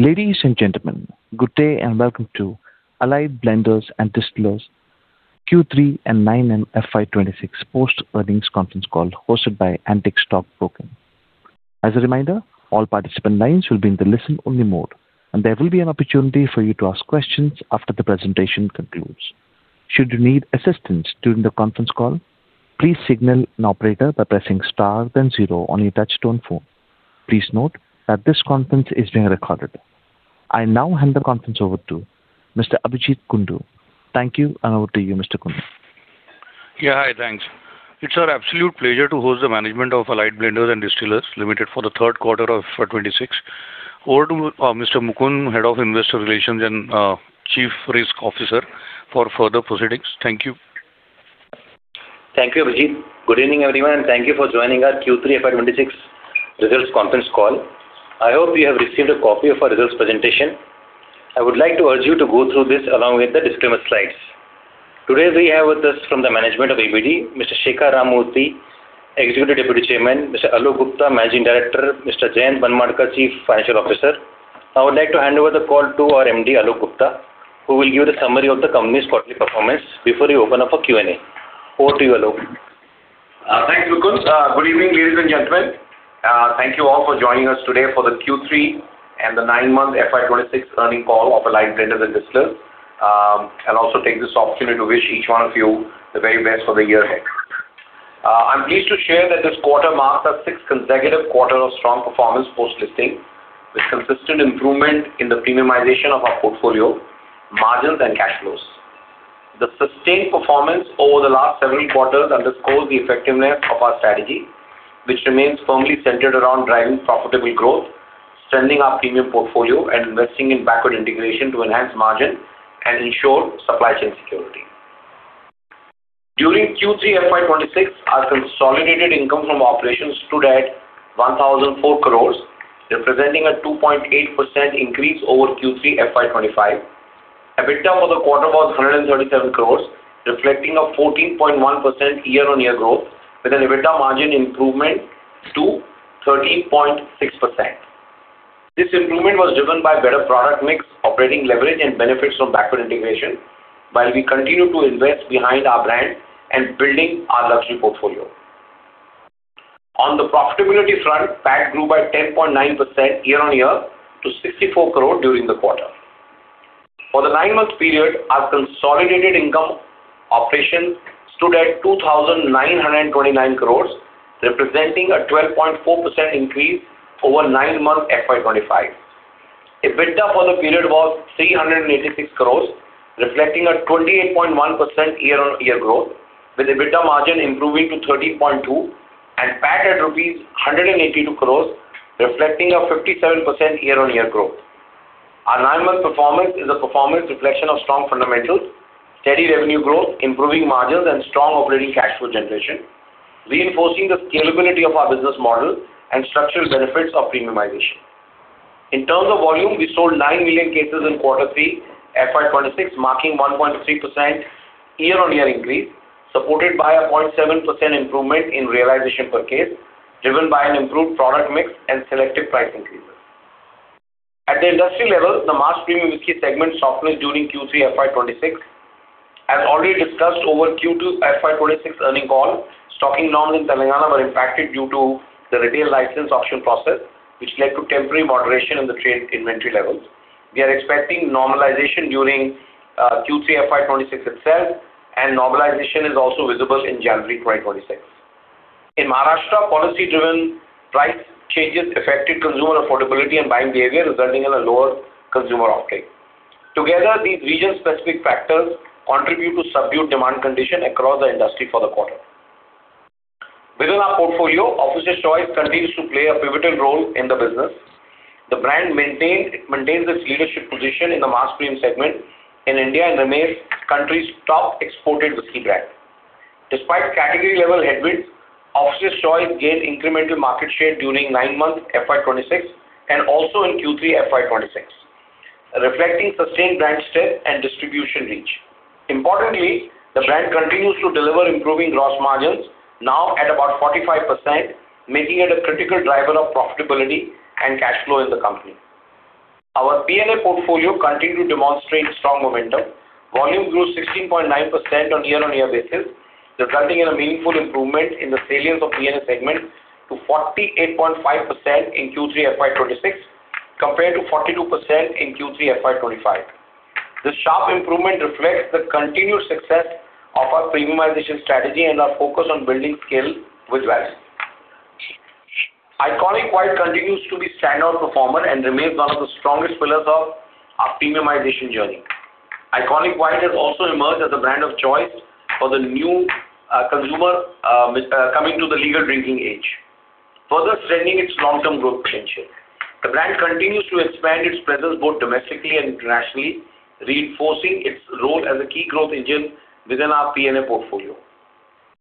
Ladies and gentlemen, good day, and welcome to Allied Blenders and Distillers' Q3 and Nine-Month FY 2026 Post-Earnings Conference Call, hosted by Antique Stock Broking. As a reminder, all participant lines will be in the listen-only mode, and there will be an opportunity for you to ask questions after the presentation concludes. Should you need assistance during the conference call, please signal an operator by pressing star then zero on your touchtone phone. Please note that this conference is being recorded. I now hand the conference over to Mr. Abhijeet Kundu. Thank you, and over to you, Mr. Kundu. Yeah. Hi, thanks. It's our absolute pleasure to host the management of Allied Blenders and Distillers Limited for the third quarter of FY 2026. Over to Mr. Mukund, Head of Investor Relations and Chief Risk Officer, for further proceedings. Thank you. Thank you, Abhijeet. Good evening, everyone, and thank you for joining our Q3 FY 2026 results conference call. I hope you have received a copy of our results presentation. I would like to urge you to go through this along with the disclaimer slides. Today, we have with us from the management of ABD, Mr. Shekhar Ramamurthy, Executive Deputy Chairman, Mr. Alok Gupta, Managing Director, Mr. Jayant Manmadkar, Chief Financial Officer. I would like to hand over the call to our MD, Alok Gupta, who will give a summary of the company's quarterly performance before we open up for Q&A. Over to you, Alok. Thanks, Mukund. Good evening, ladies and gentlemen. Thank you all for joining us today for the Q3 and the nine-month FY 2026 earnings call of Allied Blenders and Distillers. I'll also take this opportunity to wish each one of you the very best for the year ahead. I'm pleased to share that this quarter marks our sixth consecutive quarter of strong performance post-listing, with consistent improvement in the premiumization of our portfolio, margins and cash flows. The sustained performance over the last several quarters underscores the effectiveness of our strategy, which remains firmly centered around driving profitable growth, strengthening our premium portfolio, and investing in backward integration to enhance margin and ensure supply chain security. During Q3 FY 2026, our consolidated income from operations stood at 1,004 crore, representing a 2.8% increase over Q3 FY 2025. EBITDA for the quarter was 137 crore, reflecting a 14.1% year-on-year growth, with an EBITDA margin improvement to 13.6%. This improvement was driven by better product mix, operating leverage, and benefits from backward integration, while we continue to invest behind our brand and building our luxury portfolio. On the profitability front, PAT grew by 10.9% year-on-year to 64 crore during the quarter. For the nine-month period, our consolidated income operation stood at 2,929 crore, representing a 12.4% increase over nine-month FY 2025. EBITDA for the period was 386 crore, reflecting a 28.1% year-on-year growth, with EBITDA margin improving to 13.2%, and PAT at INR 182 crore, reflecting a 57% year-on-year growth. Our nine-month performance is a performance reflection of strong fundamentals, steady revenue growth, improving margins, and strong operating cash flow generation, reinforcing the scalability of our business model and structural benefits of premiumization. In terms of volume, we sold 9 million cases in quarter three FY 2026, marking 1.3% year-on-year increase, supported by a 0.7% improvement in realization per case, driven by an improved product mix and selective price increases. At the industry level, the mass premium whiskey segment softened during Q3 FY 2026. As already discussed over Q2 FY 2026 earnings call, stocking norms in Telangana were impacted due to the retail license auction process, which led to temporary moderation in the trade inventory levels. We are expecting normalization during Q3 FY 2026 itself, and normalization is also visible in January 2026. In Maharashtra, policy-driven price changes affected consumer affordability and buying behavior, resulting in a lower consumer uptake. Together, these region-specific factors contribute to subdued demand condition across the industry for the quarter. Within our portfolio, Officer's Choice continues to play a pivotal role in the business. The brand maintains its leadership position in the mass premium segment in India and remains the country's top exported whiskey brand. Despite category-level headwinds, Officer's Choice gained incremental market share during nine-month FY 2026 and also in Q3 FY 2026, reflecting sustained brand strength and distribution reach. Importantly, the brand continues to deliver improving gross margins, now at about 45%, making it a critical driver of profitability and cash flow in the company. Our P&A portfolio continued to demonstrate strong momentum. Volume grew 16.9% on year-on-year basis, resulting in a meaningful improvement in the salience of P&A segment to 48.5% in Q3 FY 2026, compared to 42% in Q3 FY 2025. This sharp improvement reflects the continued success of our premiumization strategy and our focus on building scale with value. ICONiQ White continues to be a standout performer and remains one of the strongest pillars of our premiumization journey. ICONiQ White has also emerged as a brand of choice for the new consumer coming to the legal drinking age, further strengthening its long-term growth potential. The brand continues to expand its presence both domestically and internationally, reinforcing its role as a key growth engine within our P&A portfolio.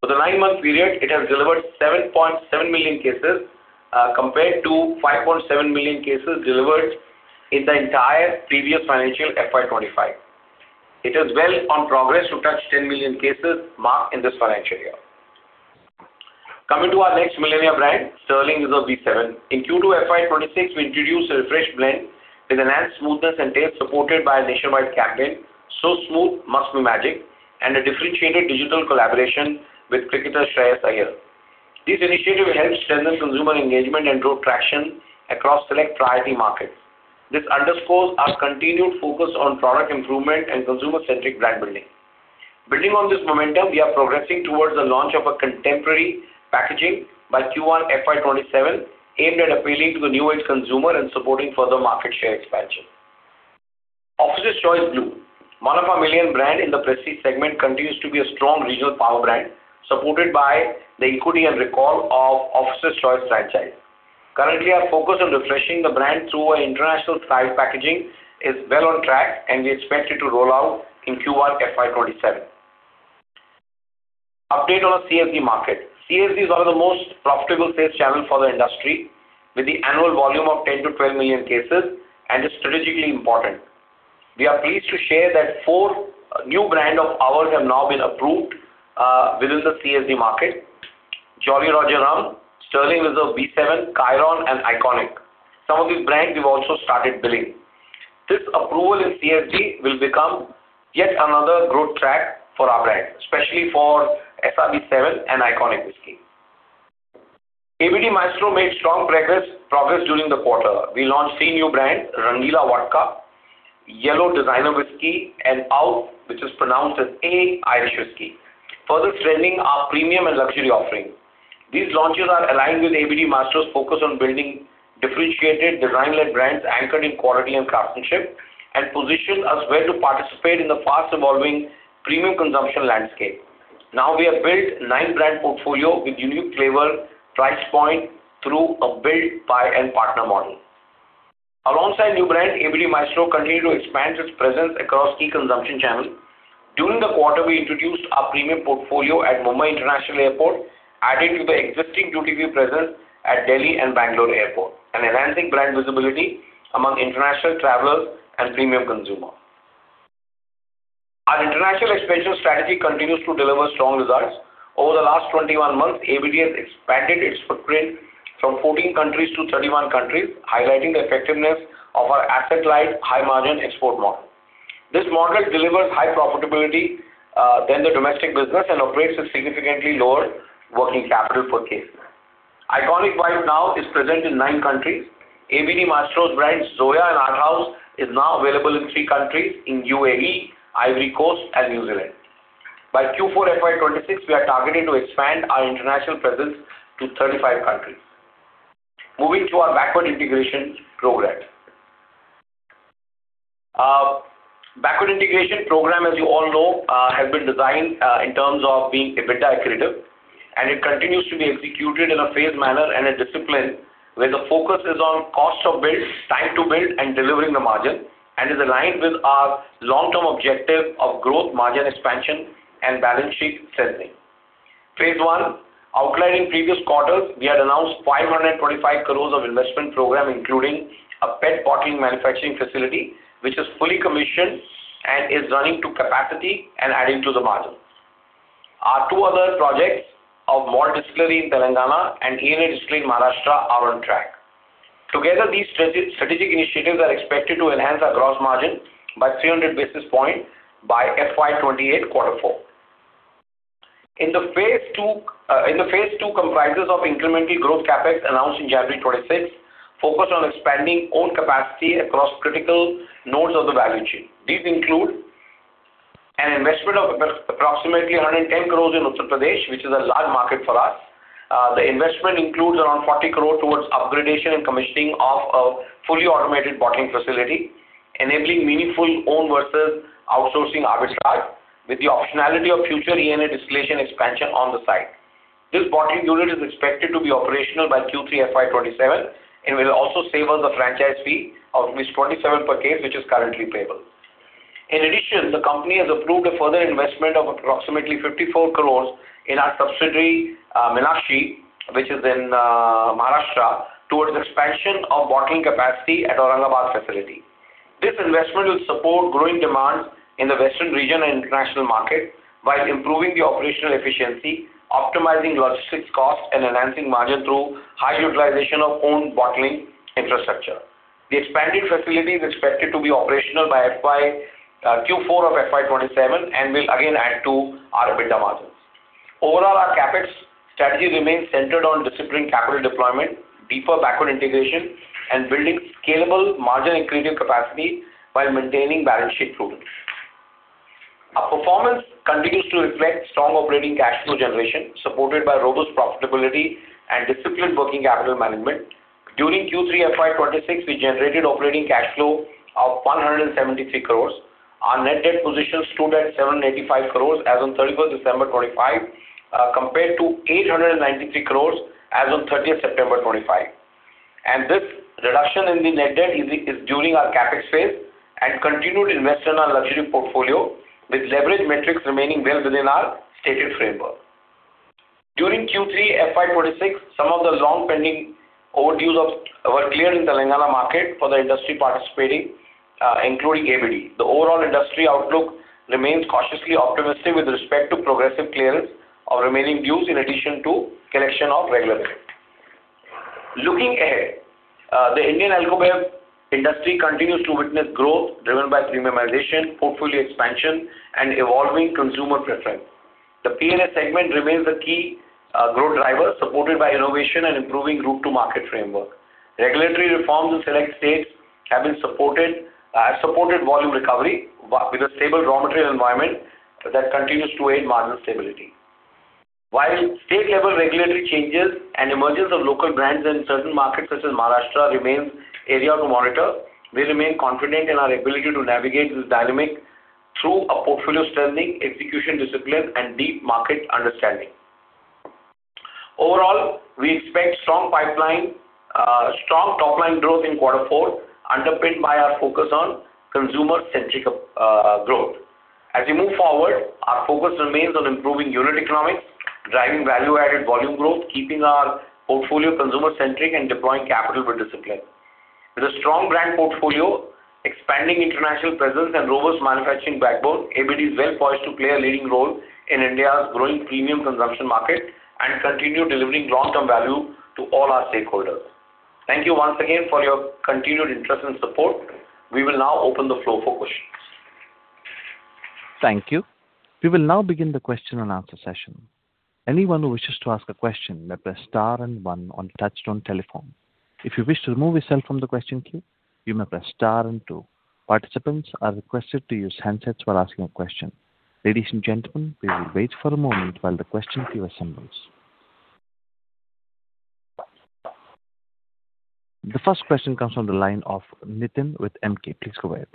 For the nine-month period, it has delivered 7.7 million cases, compared to 5.7 million cases delivered in the entire previous financial FY 2025. It is well on progress to touch 10 million cases mark in this financial year. Coming to our next millennial brand, Sterling Reserve B7. In Q2 FY 2026, we introduced a refreshed blend with enhanced smoothness and taste, supported by a nationwide campaign, "So smooth, must be magic," and a differentiated digital collaboration with cricketer Shreyas Iyer. This initiative helped strengthen consumer engagement and drove traction across select priority markets. This underscores our continued focus on product improvement and consumer-centric brand building. Building on this momentum, we are progressing towards the launch of a contemporary packaging by Q1 FY 2027, aimed at appealing to the new age consumer and supporting further market share expansion. Officer's Choice Blue, one of our millionaire brands in the prestige segment, continues to be a strong regional power brand, supported by the equity and recall of Officer's Choice franchise. Currently, our focus on refreshing the brand through our international style packaging is well on track, and we expect it to roll out in Q1 FY 2027. Update on our CSD market. CSD is one of the most profitable sales channels for the industry, with the annual volume of 10 million-12 million cases and is strategically important. We are pleased to share that four new brands of ours have now been approved within the CSD market: Jolly Roger Rum, Sterling Reserve B7, Kyron, and ICONiQ. Some of these brands we've also started building. This approval in CSD will become yet another growth track for our brands, especially for SRB7 and ICONiQ Whiskey. ABD Maestro made strong progress during the quarter. We launched three new brands: Rangeela Vodka, YELLO Designer Whisky, and AODH, which is pronounced as A, Irish Whiskey, further strengthening our premium and luxury offering. These launches are aligned with ABD Maestro's focus on building differentiated, design-led brands anchored in quality and craftsmanship, and positions us well to participate in the fast-evolving premium consumption landscape. Now, we have built nine brand portfolio with unique flavor, price point through a build, buy, and partner model. Alongside new brand, ABD Maestro continued to expand its presence across key consumption channels. During the quarter, we introduced our premium portfolio at Mumbai International Airport, adding to the existing duty-free presence at Delhi and Bangalore Airport, and enhancing brand visibility among international travelers and premium consumer. Our international expansion strategy continues to deliver strong results. Over the last 21 months, ABD has expanded its footprint from 14 countries to 31 countries, highlighting the effectiveness of our asset-light, high-margin export model. This model delivers high profitability than the domestic business and operates with significantly lower working capital per case. ICONiQ White now is present in 9 countries. ABD Maestro's brands Zoya and AODH is now available in three countries, in UAE, Ivory Coast, and New Zealand. By Q4 FY 2026, we are targeting to expand our international presence to 35 countries. Moving to our backward integration program. Backward integration program, as you all know, has been designed in terms of being EBITDA accretive, and it continues to be executed in a phased manner and a discipline where the focus is on cost of build, time to build, and delivering the margin, and is aligned with our long-term objective of growth, margin expansion, and balance sheet strengthening. Phase one, outlined in previous quarters, we had announced 525 crores of investment program, including a PET bottling manufacturing facility, which is fully commissioned and is running to capacity and adding to the margin. Our two other projects of malt distillery in Telangana and ENA distillery in Maharashtra are on track. Together, these strategic initiatives are expected to enhance our gross margin by 300 basis points by FY 2028, quarter four. In phase II comprises of incremental growth CapEx announced in January 2026, focused on expanding own capacity across critical nodes of the value chain. These include an investment of approximately 110 crore in Uttar Pradesh, which is a large market for us. The investment includes around 40 crore towards upgradation and commissioning of a fully automated bottling facility, enabling meaningful own versus outsourcing arbitrage, with the optionality of future ENA distillation expansion on the site. This bottling unit is expected to be operational by Q3 FY 2027, and will also save us the franchise fee of 27 per case, which is currently payable. In addition, the company has approved a further investment of approximately 54 crore in our subsidiary, Meenakshi, which is in Maharashtra, towards expansion of bottling capacity at Aurangabad facility. This investment will support growing demand in the western region and international market, while improving the operational efficiency, optimizing logistics costs, and enhancing margin through high utilization of owned bottling infrastructure. The expanded facility is expected to be operational by FY, Q4 of FY 2027, and will again add to our EBITDA margins. Overall, our CapEx strategy remains centered on disciplining capital deployment, deeper backward integration, and building scalable margin-accretive capacity while maintaining balance sheet throughput. Our performance continues to reflect strong operating cash flow generation, supported by robust profitability and disciplined working capital management. During Q3 FY 2026, we generated operating cash flow of 173 crores. Our net debt position stood at 785 crores as on 31 December 2025, compared to 893 crores as on 30 September 2025. This reduction in the net debt is during our CapEx phase and continued investment on luxury portfolio, with leverage metrics remaining well within our stated framework. During Q3 FY 2026, some of the long-pending overdues were cleared in Telangana market for the industry participating, including ABD. The overall industry outlook remains cautiously optimistic with respect to progressive clearance of remaining dues, in addition to collection of regular debt. Looking ahead, the Indian alcohol industry continues to witness growth driven by premiumization, portfolio expansion, and evolving consumer preference. The P&A segment remains the key growth driver, supported by innovation and improving route to market framework. Regulatory reforms in select states have supported volume recovery, with a stable raw material environment that continues to aid margin stability. While state-level regulatory changes and emergence of local brands in certain markets, such as Maharashtra, remains area to monitor, we remain confident in our ability to navigate this dynamic through a portfolio standing, execution discipline, and deep market understanding. Overall, we expect strong pipeline, strong top line growth in quarter four, underpinned by our focus on consumer-centric, growth. As we move forward, our focus remains on improving unit economics, driving value-added volume growth, keeping our portfolio consumer-centric, and deploying capital with discipline. With a strong brand portfolio, expanding international presence, and robust manufacturing backbone, ABD is well poised to play a leading role in India's growing premium consumption market, and continue delivering long-term value to all our stakeholders. Thank you once again for your continued interest and support. We will now open the floor for questions. Thank you. We will now begin the question and answer session. Anyone who wishes to ask a question may press star and one on touchtone telephone. If you wish to remove yourself from the question queue, you may press star and two. Participants are requested to use handsets while asking a question. Ladies and gentlemen, please wait for a moment while the question queue assembles. The first question comes from the line of Nitin with Emkay. Please go ahead.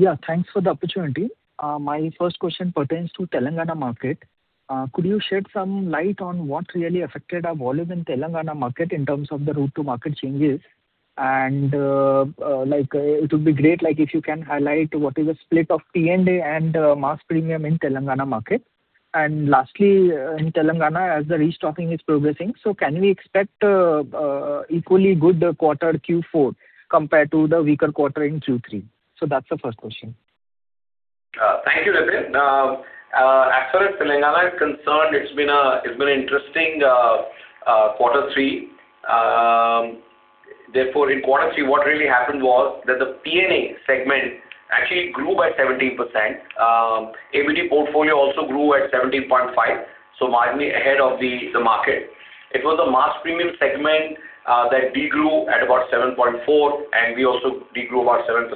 Yeah, thanks for the opportunity. My first question pertains to Telangana market. Could you shed some light on what really affected our volume in Telangana market in terms of the route to market changes? And, like, it would be great, like, if you can highlight what is the split of P&A and mass premium in Telangana market. And lastly, in Telangana, as the restocking is progressing, so can we expect equally good quarter Q4 compared to the weaker quarter in Q3? So that's the first question. Thank you, Nitin. As far as Telangana is concerned, it's been interesting quarter three. Therefore, in quarter three, what really happened was that the P&A segment actually grew by 17%. ABD portfolio also grew at 17.5%, so mildly ahead of the market. It was the mass premium segment that de-grew at about 7.4%, and we also de-grew about 7%.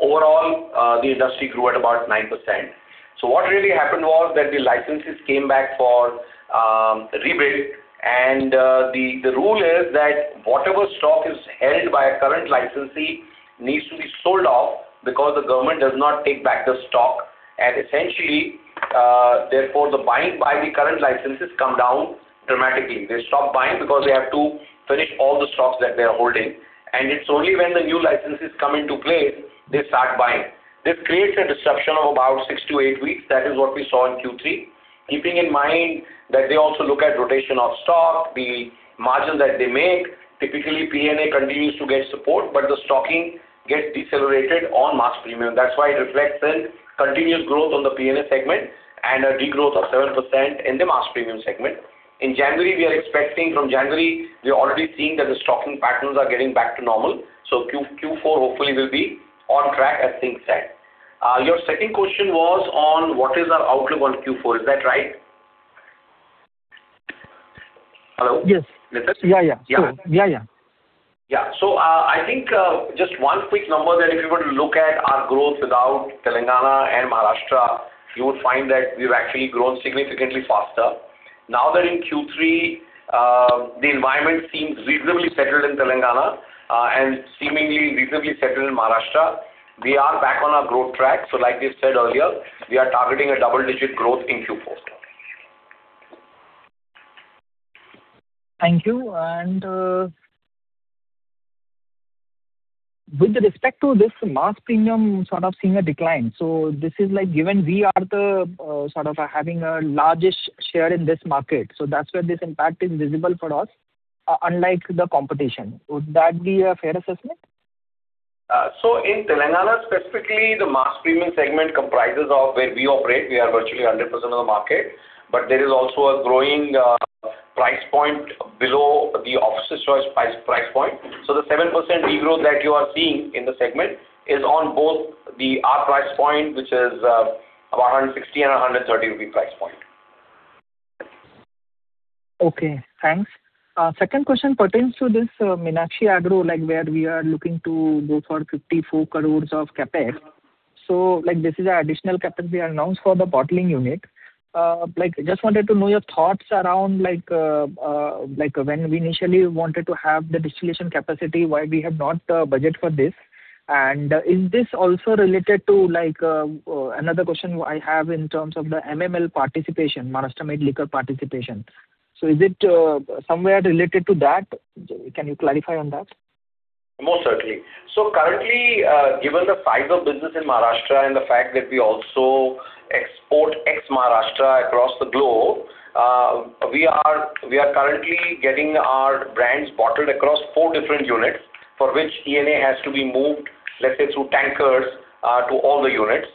Overall, the industry grew at about 9%. So what really happened was that the licenses came back for rebid, and the rule is that whatever stock is held by a current licensee needs to be sold off because the government does not take back the stock. And essentially, therefore, the buying by the current licensees came down dramatically. They stop buying because they have to finish all the stocks that they are holding, and it's only when the new licenses come into play, they start buying. This creates a disruption of about six-eight weeks. That is what we saw in Q3. Keeping in mind that they also look at rotation of stock, the margin that they make, typically P&A continues to get support, but the stocking gets decelerated on mass premium. That's why it reflects in continuous growth on the P&A segment and a de-growth of 7% in the mass premium segment. In January, we are expecting--From January, we are already seeing that the stocking patterns are getting back to normal, so Q4 hopefully will be on track as things stand. Your second question was on what is our outlook on Q4, is that right? Hello? Yes. Nitin? Yeah, yeah. Yeah. So, I think, just one quick number, that if you were to look at our growth without Telangana and Maharashtra, you would find that we've actually grown significantly faster. Now that in Q3, the environment seems reasonably settled in Telangana, and seemingly reasonably settled in Maharashtra, we are back on our growth track. So like we said earlier, we are targeting a double-digit growth in Q4. Thank you. With respect to this mass premium sort of seeing a decline, so this is like given we are the sort of having a largest share in this market, so that's where this impact is visible for us, unlike the competition. Would that be a fair assessment? So in Telangana, specifically, the mass premium segment comprises of where we operate. We are virtually 100% of the market, but there is also a growing price point below the Officer's Choice price point. So the 7% de-growth that you are seeing in the segment is on both the our price point, which is about 160 and 130 rupee price point. Okay, thanks. Second question pertains to this, Minakshi Agro, like, where we are looking to go for 54 crore of CapEx. So like this is additional capacity announced for the bottling unit. Like, just wanted to know your thoughts around, like, when we initially wanted to have the distillation capacity, why we have not budget for this? And, is this also related to like, another question I have in terms of the MML participation, Maharashtra Made Liquor participation. So is it, somewhere related to that? Can you clarify on that? Most certainly. So currently, given the size of business in Maharashtra and the fact that we also export ex-Maharashtra across the globe, we are currently getting our brands bottled across four different units, for which ENA has to be moved, let's say, through tankers, to all the units.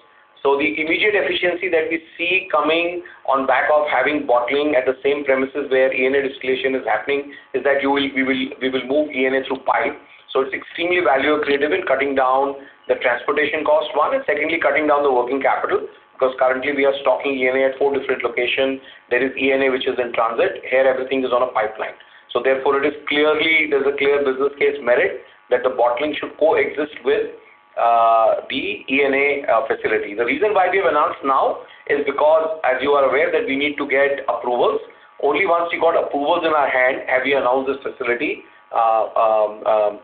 So the immediate efficiency that we see coming on back of having bottling at the same premises where ENA distillation is happening, is that you will--we will move ENA through pipe. So it's extremely value accretive in cutting down the transportation cost, one, and secondly, cutting down the working capital. Because currently we are stocking ENA at four different locations. There is ENA, which is in transit. Here, everything is on a pipeline. So therefore, it is clearly there's a clear business case merit that the bottling should coexist with, the ENA, facility. The reason why we've announced now is because, as you are aware, that we need to get approvals. Only once we got approvals in our hand, have we announced this facility,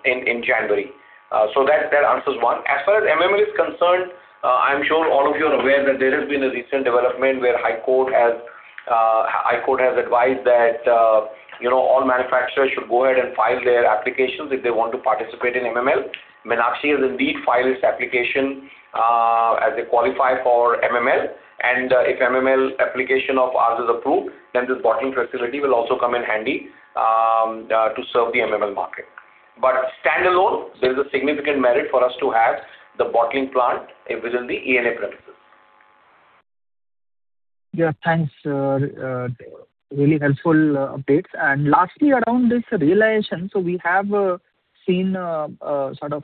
in January. So that answers one. As far as MML is concerned, I'm sure all of you are aware that there has been a recent development where High Court has, High Court has advised that, you know, all manufacturers should go ahead and file their applications if they want to participate in MML. Meenakshi has indeed filed its application, as they qualify for MML, and, if MML application of ours is approved, then this bottling facility will also come in handy, to serve the MML market. But standalone, there is a significant merit for us to have the bottling plant within the ENA premises. Yeah, thanks, really helpful updates. And lastly, around this realization, so we have seen sort of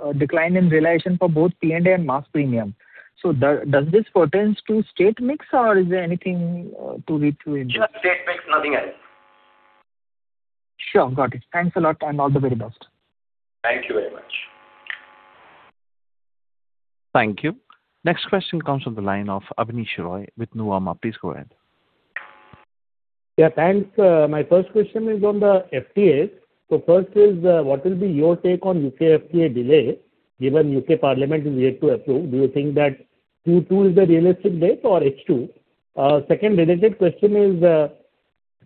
a decline in realization for both P&A and Mass Premium. So does this pertains to state mix, or is there anything to read through in? Sure. State mix, nothing else. Sure, got it. Thanks a lot, and all the very best. Thank you very much. Thank you. Next question comes from the line of Abneesh Roy with Nuvama. Please go ahead. Yeah, thanks. My first question is on the FTAs. So first is, what will be your take on UK FTA delay, given UK Parliament is yet to approve? Do you think that Q2 is the realistic date or H2? Second related question is,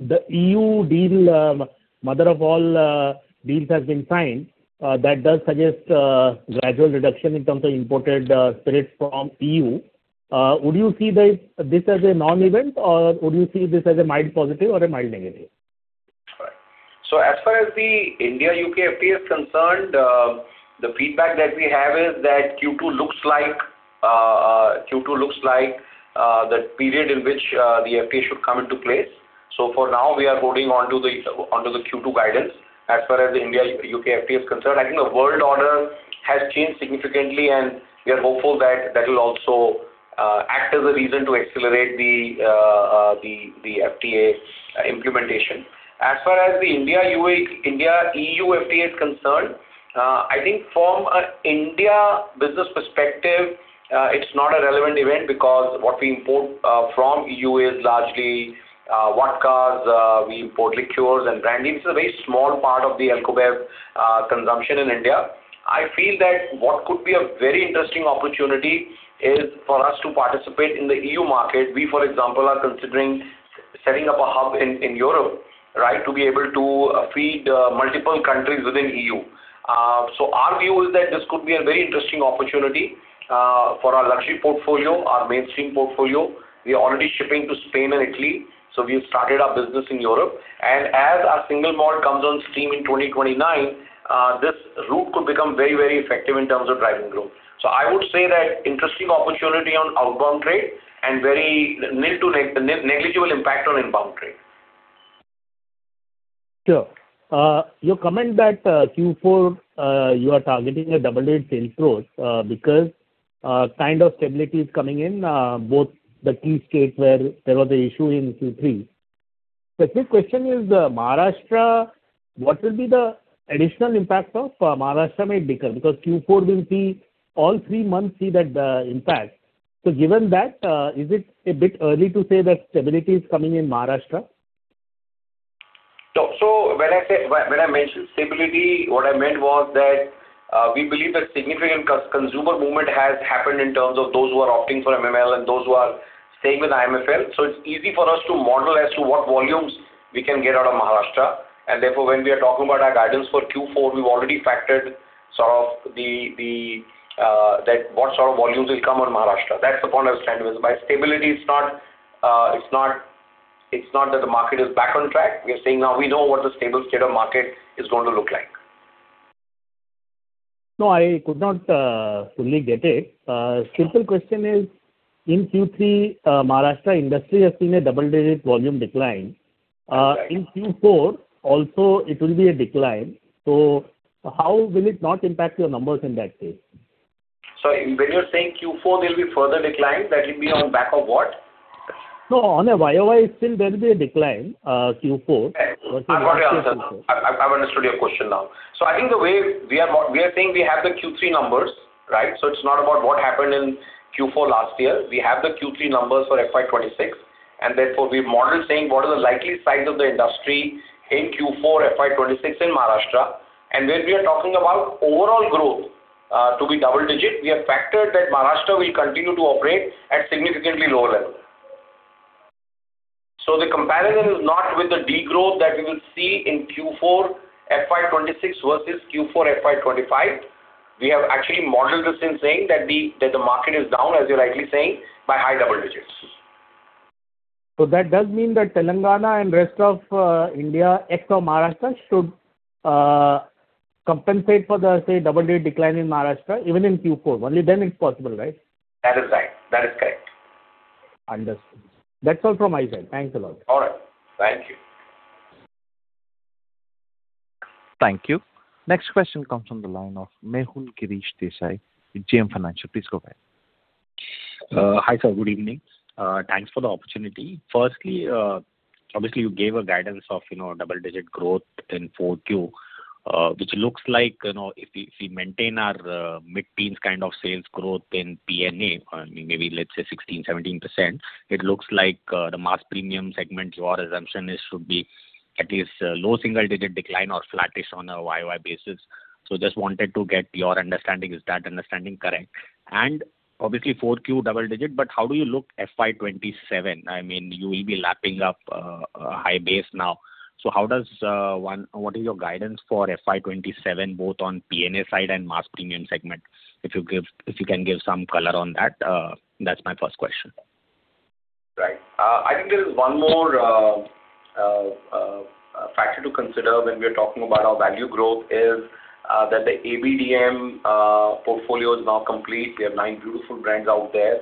the EU deal, mother of all deals has been signed, that does suggest gradual reduction in terms of imported spirits from EU. Would you see this as a non-event, or would you see this as a mild positive or a mild negative? Right. So as far as the India-UK FTA is concerned, the feedback that we have is that Q2 looks like the period in which the FTA should come into place. So for now, we are holding on to the Q2 guidance. As far as the India-UK FTA is concerned, I think the world order has changed significantly, and we are hopeful that that will also act as a reason to accelerate the FTA implementation. As far as the India-UK, India-EU FTA is concerned, I think from an India business perspective, it's not a relevant event because what we import from EU is largely vodkas, we import liqueurs and brandy. It's a very small part of the alcobev consumption in India. I feel that what could be a very interesting opportunity is for us to participate in the EU market. We, for example, are considering setting up a hub in Europe, right? To be able to feed multiple countries within EU. So our view is that this could be a very interesting opportunity for our luxury portfolio, our mainstream portfolio. We are already shipping to Spain and Italy, so we've started our business in Europe. And as our single malt comes on stream in 2029, this route could become very, very effective in terms of driving growth. So I would say that interesting opportunity on outbound trade and very nil to negligible impact on inbound trade. Sure. You comment that Q4 you are targeting a double-digit sales growth because kind of stability is coming in both the key states where there was an issue in Q3. The third question is the Maharashtra, what will be the additional impact of Maharashtra may decline, because Q4 will see all three months see that impact. So given that, is it a bit early to say that stability is coming in Maharashtra? So when I mentioned stability, what I meant was that we believe that significant consumer movement has happened in terms of those who are opting for MML and those who are staying with IMFL. So it's easy for us to model as to what volumes we can get out of Maharashtra. And therefore, when we are talking about our guidance for Q4, we've already factored sort of that what sort of volumes will come on Maharashtra. That's the point I was trying to make. By stability, it's not, it's not that the market is back on track. We are saying now we know what the stable state of market is going to look like. No, I could not fully get it. Simple question is, in Q3, Maharashtra industry has seen a double-digit volume decline. In Q4, also, it will be a decline, so how will it not impact your numbers in that case? When you're saying Q4, there'll be further decline, that will be on back of what? No, on a Y-o-Y, still there will be a decline, Q4. I've got your answer now. I've understood your question now. So I think the way we are--we are saying we have the Q3 numbers, right? So it's not about what happened in Q4 last year. We have the Q3 numbers for FY 2026, and therefore, we model saying what are the likely size of the industry in Q4, FY 2026 in Maharashtra. And when we are talking about overall growth, to be double digit, we have factored that Maharashtra will continue to operate at significantly lower level. So the comparison is not with the degrowth that we will see in Q4, FY 2026 versus Q4, FY 2025. We have actually modeled this in saying that the market is down, as you're likely saying, by high double digits. So that does mean that Telangana and rest of India, except Maharashtra, should compensate for the, say, double-digit decline in Maharashtra, even in Q4. Only then it's possible, right? That is right. That is correct. Understood. That's all from my side. Thanks a lot. All right. Thank you. Thank you. Next question comes from the line of Mehul Kirish Desai, JM Financial. Please go ahead. Hi, sir. Good evening. Thanks for the opportunity. Firstly, obviously, you gave a guidance of, you know, double-digit growth in Q4, which looks like, you know, if we, if we maintain our, mid-teens kind of sales growth in P&A, maybe let's say 16%-17%, it looks like, the mass premium segment, your assumption is, should be at least a low single-digit decline or flattish on a Y-o-Y basis. So just wanted to get your understanding. Is that understanding correct? And obviously, Q4 double-digit, but how do you look FY 2027? I mean, you will be lapping up, a high base now. So how does, what is your guidance for FY 2027, both on P&A side and mass premium segment? If you give--If you can give some color on that, that's my first question. Right. I think there is one more factor to consider when we are talking about our value growth is that the ABDM portfolio is now complete. We have nine beautiful brands out there.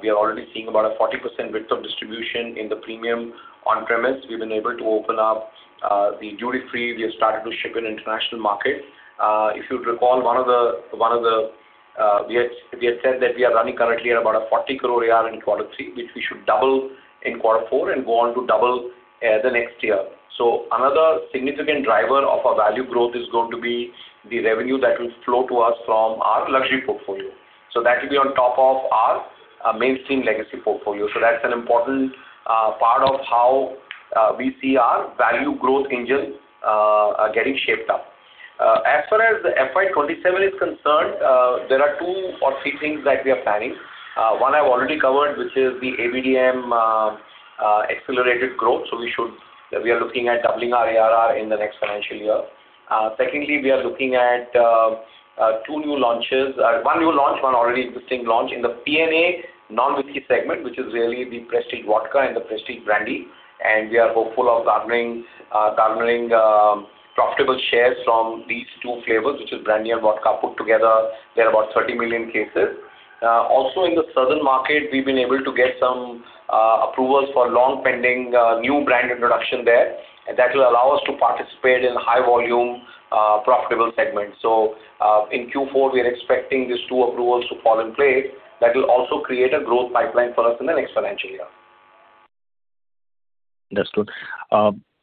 We are already seeing about a 40% width of distribution in the premium on-premise. We've been able to open up the duty-free. We have started to ship in international markets. If you'd recall, we had said that we are running currently at about 40 crore ARR in quarter three, which we should double in quarter four and go on to double the next year. So another significant driver of our value growth is going to be the revenue that will flow to us from our luxury portfolio. So that will be on top of our mainstream legacy portfolio. So that's an important part of how we see our value growth engine getting shaped up. As far as the FY 2027 is concerned, there are two or three things that we are planning. One I've already covered, which is the ABDM accelerated growth. So we are looking at doubling our ARR in the next financial year. Secondly, we are looking at two new launches, one new launch, one already existing launch in the P&A non-whiskey segment, which is really the Prestige Vodka and the Prestige Brandy. And we are hopeful of garnering profitable shares from these two flavors, which is brandy and vodka put together. They're about 30 million cases. Also in the southern market, we've been able to get some approvals for long-pending new brand introduction there, and that will allow us to participate in high volume profitable segments. So, in Q4, we are expecting these two approvals to fall in place. That will also create a growth pipeline for us in the next financial year. Understood.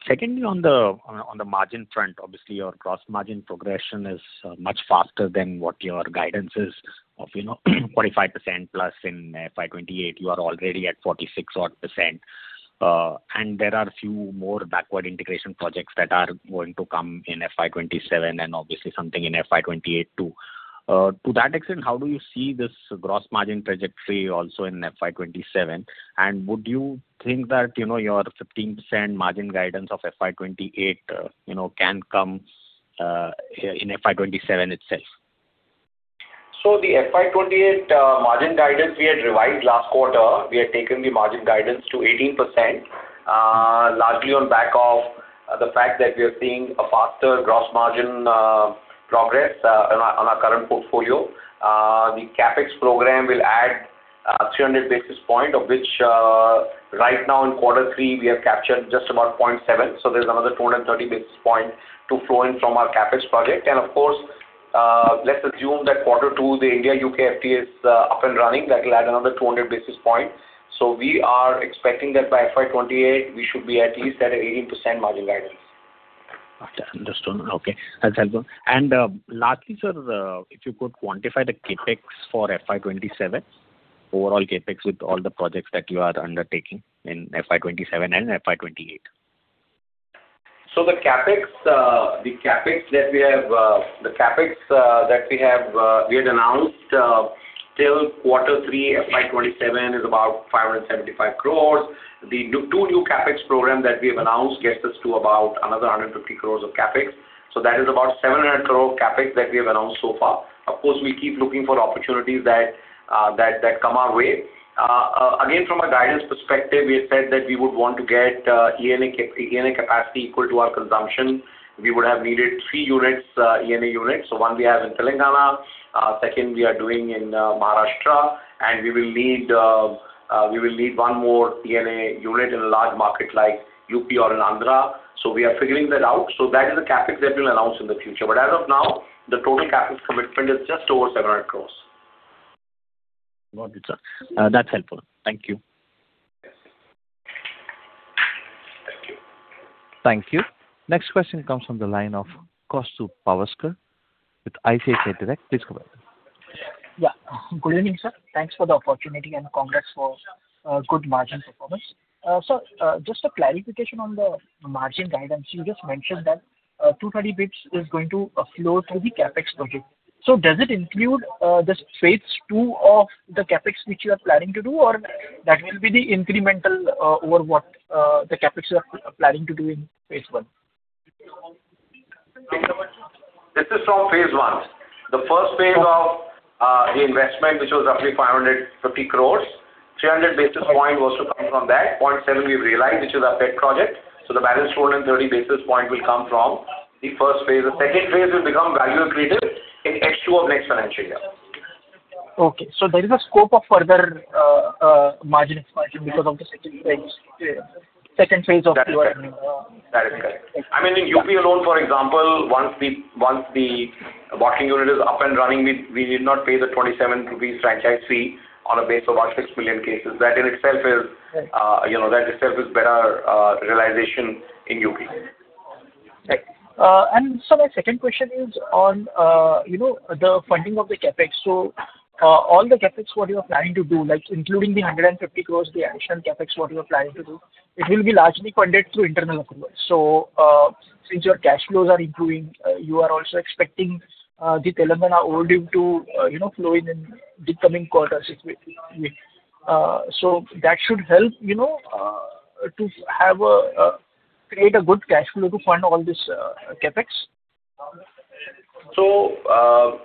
Secondly, on the margin front, obviously, your gross margin progression is much faster than what your guidance is of, you know, 45% plus in FY 2028. You are already at 46%-odd. And there are a few more backward integration projects that are going to come in FY 2027 and obviously something in FY 2028, too. To that extent, how do you see this gross margin trajectory also in FY 2027? And would you think that, you know, your 15% margin guidance of FY 2028, you know, can come in FY 2027 itself? So the FY 2028 margin guidance we had revised last quarter, we had taken the margin guidance to 18%, largely on back of the fact that we are seeing a faster gross margin progress on our current portfolio. The CapEx program will add 300 basis points, of which right now in quarter three, we have captured just about 0.7. So there's another 230 basis points to flow in from our CapEx project. And of course, let's assume that quarter two, the India-UK FTA is up and running. That will add another 200 basis points. So we are expecting that by FY 2028, we should be at least at an 18% margin guidance. Understood. Okay, that's helpful. Lastly, sir, if you could quantify the CapEx for FY 2027, overall CapEx with all the projects that you are undertaking in FY 2027 and FY 2028. So the CapEx that we have announced till quarter three, FY 2027 is about 575 crore. The two new CapEx programs that we have announced gets us to about another 150 crore of CapEx. So that is about 700 crore CapEx that we have announced so far. Of course, we keep looking for opportunities that come our way. Again, from a guidance perspective, we have said that we would want to get ENA capacity equal to our consumption. We would have needed three units, ENA units. So one we have in Telangana. Second we are doing in Maharashtra, and we will need one more ENA unit in a large market like UP or in Andhra. So we are figuring that out. So that is the CapEx that we'll announce in the future. But as of now, the total CapEx commitment is just over 700 crore. Got it, sir. That's helpful. Thank you. Thank you. Thank you. Next question comes from the line of Kaustubh Pawaskar with ICICI Direct. Please go ahead. Yeah. Good evening, sir. Thanks for the opportunity, and congrats for good margin performance. Sir, just a clarification on the margin guidance. You just mentioned that 230 basis points is going to flow through the CapEx project. So does it include this phase II of the CapEx, which you are planning to do, or that will be the incremental over what the CapEx you are planning to do in phase I? This is from phase I. The first phase of the investment, which was roughly 550 crore, 300 basis points was to come from that. 0.7 we've realized, which is our pet project, so the balance 1,430 basis points will come from the first phase. The second phase will become value accretive in H2 of next financial year. Okay. So there is a scope of further margin expansion because of the second phase, second phase of your- That is correct. That is correct. I mean, in UP alone, for example, once the bottling unit is up and running, we need not pay the 27 rupees franchise fee on a base of about 6 million cases. That in itself is, you know, that itself is better realization in UP. Right. And so my second question is on, you know, the funding of the CapEx. So, all the CapEx, what you are planning to do, like including the 150 crore, the additional CapEx, what you are planning to do, it will be largely funded through internal accrual. So, since your cash flows are improving, you are also expecting, the Telangana overdue to, you know, flow in, in the coming quarters. So that should help, you know, to create a good cash flow to fund all this, CapEx? So,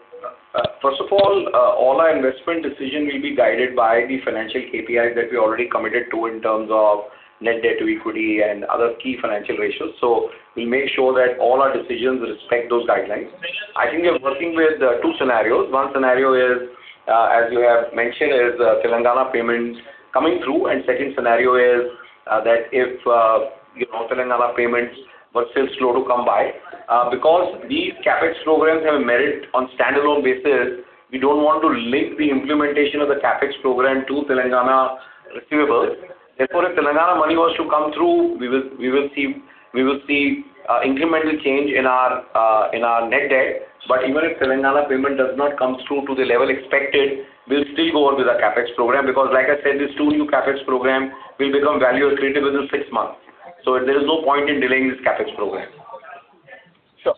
first of all, all our investment decision will be guided by the financial KPIs that we already committed to in terms of net debt to equity and other key financial ratios. So we make sure that all our decisions respect those guidelines. I think we are working with two scenarios. One scenario is, as you have mentioned, is Telangana payments coming through, and second scenario is that if, you know, Telangana payments were still slow to come by. Because these CapEx programs have merit on standalone basis, we don't want to link the implementation of the CapEx program to Telangana receivables. Therefore, if Telangana money was to come through, we will see incremental change in our net debt. Even if Telangana payment does not come through to the level expected, we'll still go on with the CapEx program, because like I said, these two new CapEx program will become value accretive within six months. There is no point in delaying this CapEx program. Sure.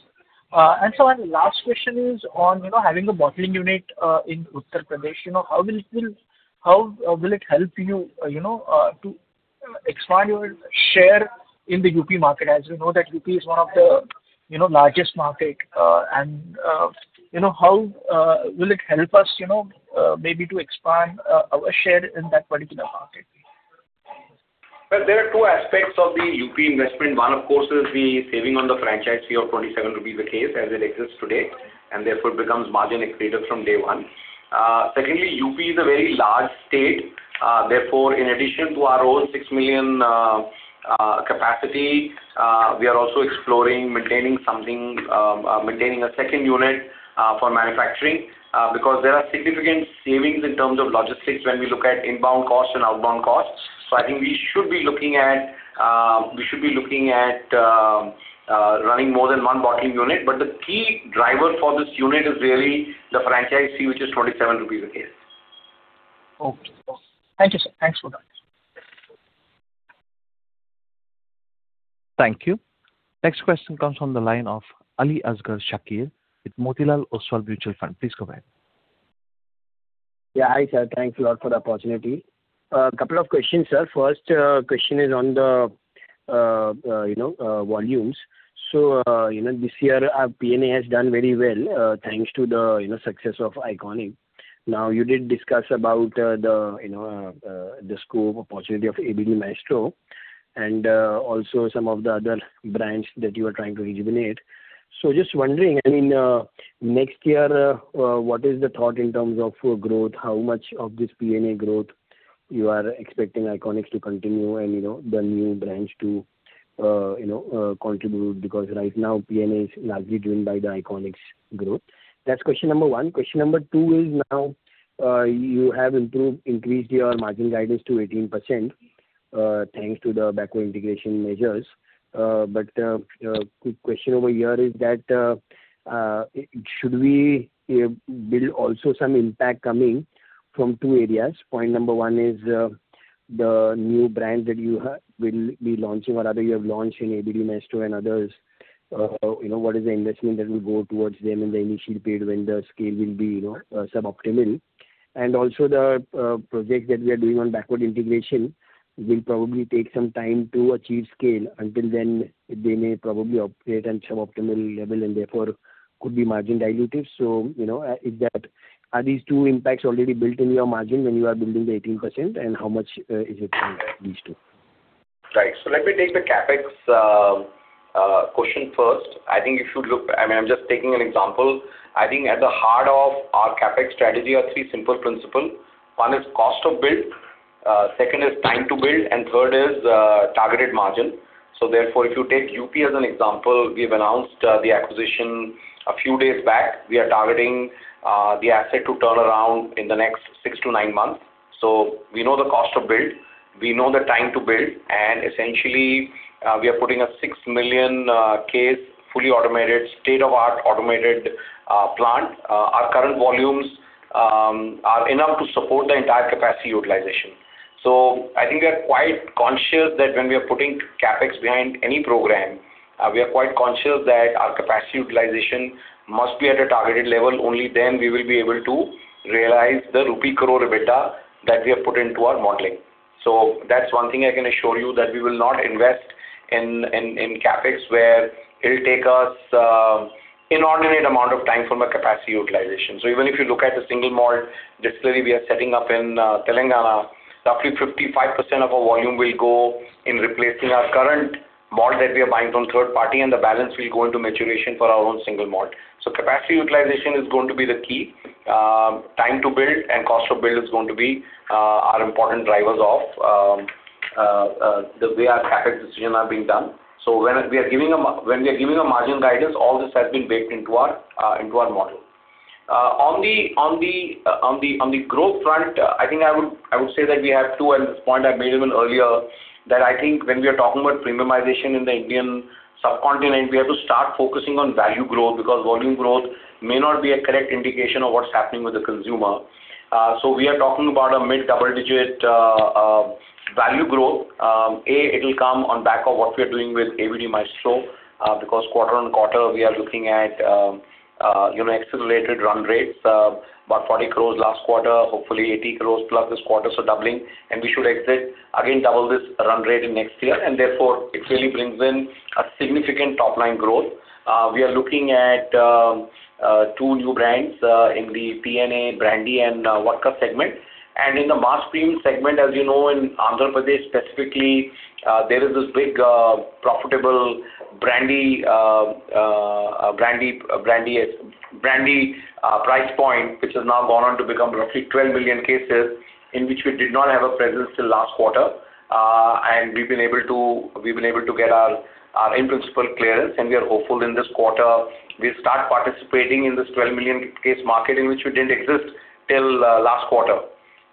And so my last question is on, you know, having a bottling unit in Uttar Pradesh, you know, how will it help you, you know, to expand your share in the UP market? As you know, that UP is one of the, you know, largest market, and, you know, how will it help us, you know, maybe to expand our share in that particular market? Well, there are two aspects of the UP investment. One, of course, is the saving on the franchise fee of 27 rupees a case as it exists today, and therefore becomes margin accretive from day one. Secondly, UP is a very large state, therefore, in addition to our own 6 million capacity, we are also exploring maintaining a second unit for manufacturing, because there are significant savings in terms of logistics when we look at inbound costs and outbound costs. So I think we should be looking at running more than one bottling unit. But the key driver for this unit is really the franchise fee, which is 27 rupees a case. Okay. Thank you, sir. Thanks for that. Thank you. Next question comes from the line of Aliasgar Shakir with Motilal Oswal Mutual Fund. Please go ahead. Yeah, hi, sir, thank you all for the opportunity. A couple of questions, sir. First, question is on the, you know, volumes. So, you know, this year, our P&A has done very well, thanks to the, you know, success of ICONiQ. Now, you did discuss about, you know, the scope of possibility of ABD Maestro and, also some of the other brands that you are trying to rejuvenate. So just wondering, I mean, next year, what is the thought in terms of your growth? How much of this P&A growth you are expecting ICONiQ to continue and, you know, the new brands to, you know, contribute? Because right now, P&A is largely driven by the ICONiQ's growth. That's question number one. Question number two is, now, you have improved, increased your margin guidance to 18%, thanks to the backward integration measures. But, quick question over here is that, should we build also some impact coming from two areas? Point number one is, the new brands that you have, will be launching or rather you have launched in ABD Maestro and others, you know, what is the investment that will go towards them in the initial period when the scale will be, you know, suboptimal? And also the, projects that we are doing on backward integration will probably take some time to achieve scale. Until then, they may probably operate at suboptimal level and therefore could be margin dilutive. So, you know, if that. Are these two impacts already built in your margin when you are building the 18%, and how much is it from these two? Right. So let me take the CapEx question first. I think you should look--I mean, I'm just taking an example. I think at the heart of our CapEx strategy are three simple principle. One is cost of build, second is time to build, and third is targeted margin. So therefore, if you take UP as an example, we have announced the acquisition a few days back. We are targeting the asset to turn around in the next six-nine months. So we know the cost of build, we know the time to build, and essentially, we are putting a 6 million case, fully automated, state-of-the-art automated plant. Our current volumes are enough to support the entire capacity utilization. So I think we are quite conscious that when we are putting CapEx behind any program, we are quite conscious that our capacity utilization must be at a targeted level. Only then we will be able to realize the rupee crore EBITDA that we have put into our modeling. So that's one thing I can assure you, that we will not invest in CapEx, where it'll take us inordinate amount of time from a capacity utilization. So even if you look at the single malt distillery we are setting up in Telangana, roughly 55% of our volume will go in replacing our current malt that we are buying from third party, and the balance will go into maturation for our own single malt. So capacity utilization is going to be the key. Time to build and cost to build is going to be our important drivers of the way our CapEx decision are being done. So when we are giving a margin guidance, all this has been baked into our into our model. On the growth front, I think I would say that we have two, and this point I made even earlier, that I think when we are talking about premiumization in the Indian subcontinent, we have to start focusing on value growth, because volume growth may not be a correct indication of what's happening with the consumer. So we are talking about a mid-double-digit value growth. A, it'll come on back of what we are doing with ABD Maestro, because quarter-over-quarter, we are looking at, you know, accelerated run rates, about 40 crore last quarter, hopefully 80 crore+ this quarter, so doubling. And we should exit again, double this run rate in next year, and therefore it really brings in a significant top-line growth. We are looking at two new brands in the P&A brandy and vodka segment. And in the mass premium segment, as you know, in Andhra Pradesh, specifically, there is this big, profitable brandy price point, which has now gone on to become roughly 12 million cases, in which we did not have a presence till last quarter. And we've been able to get our in principle clearance, and we are hopeful in this quarter we start participating in this 12 million-case market, in which we didn't exist till last quarter.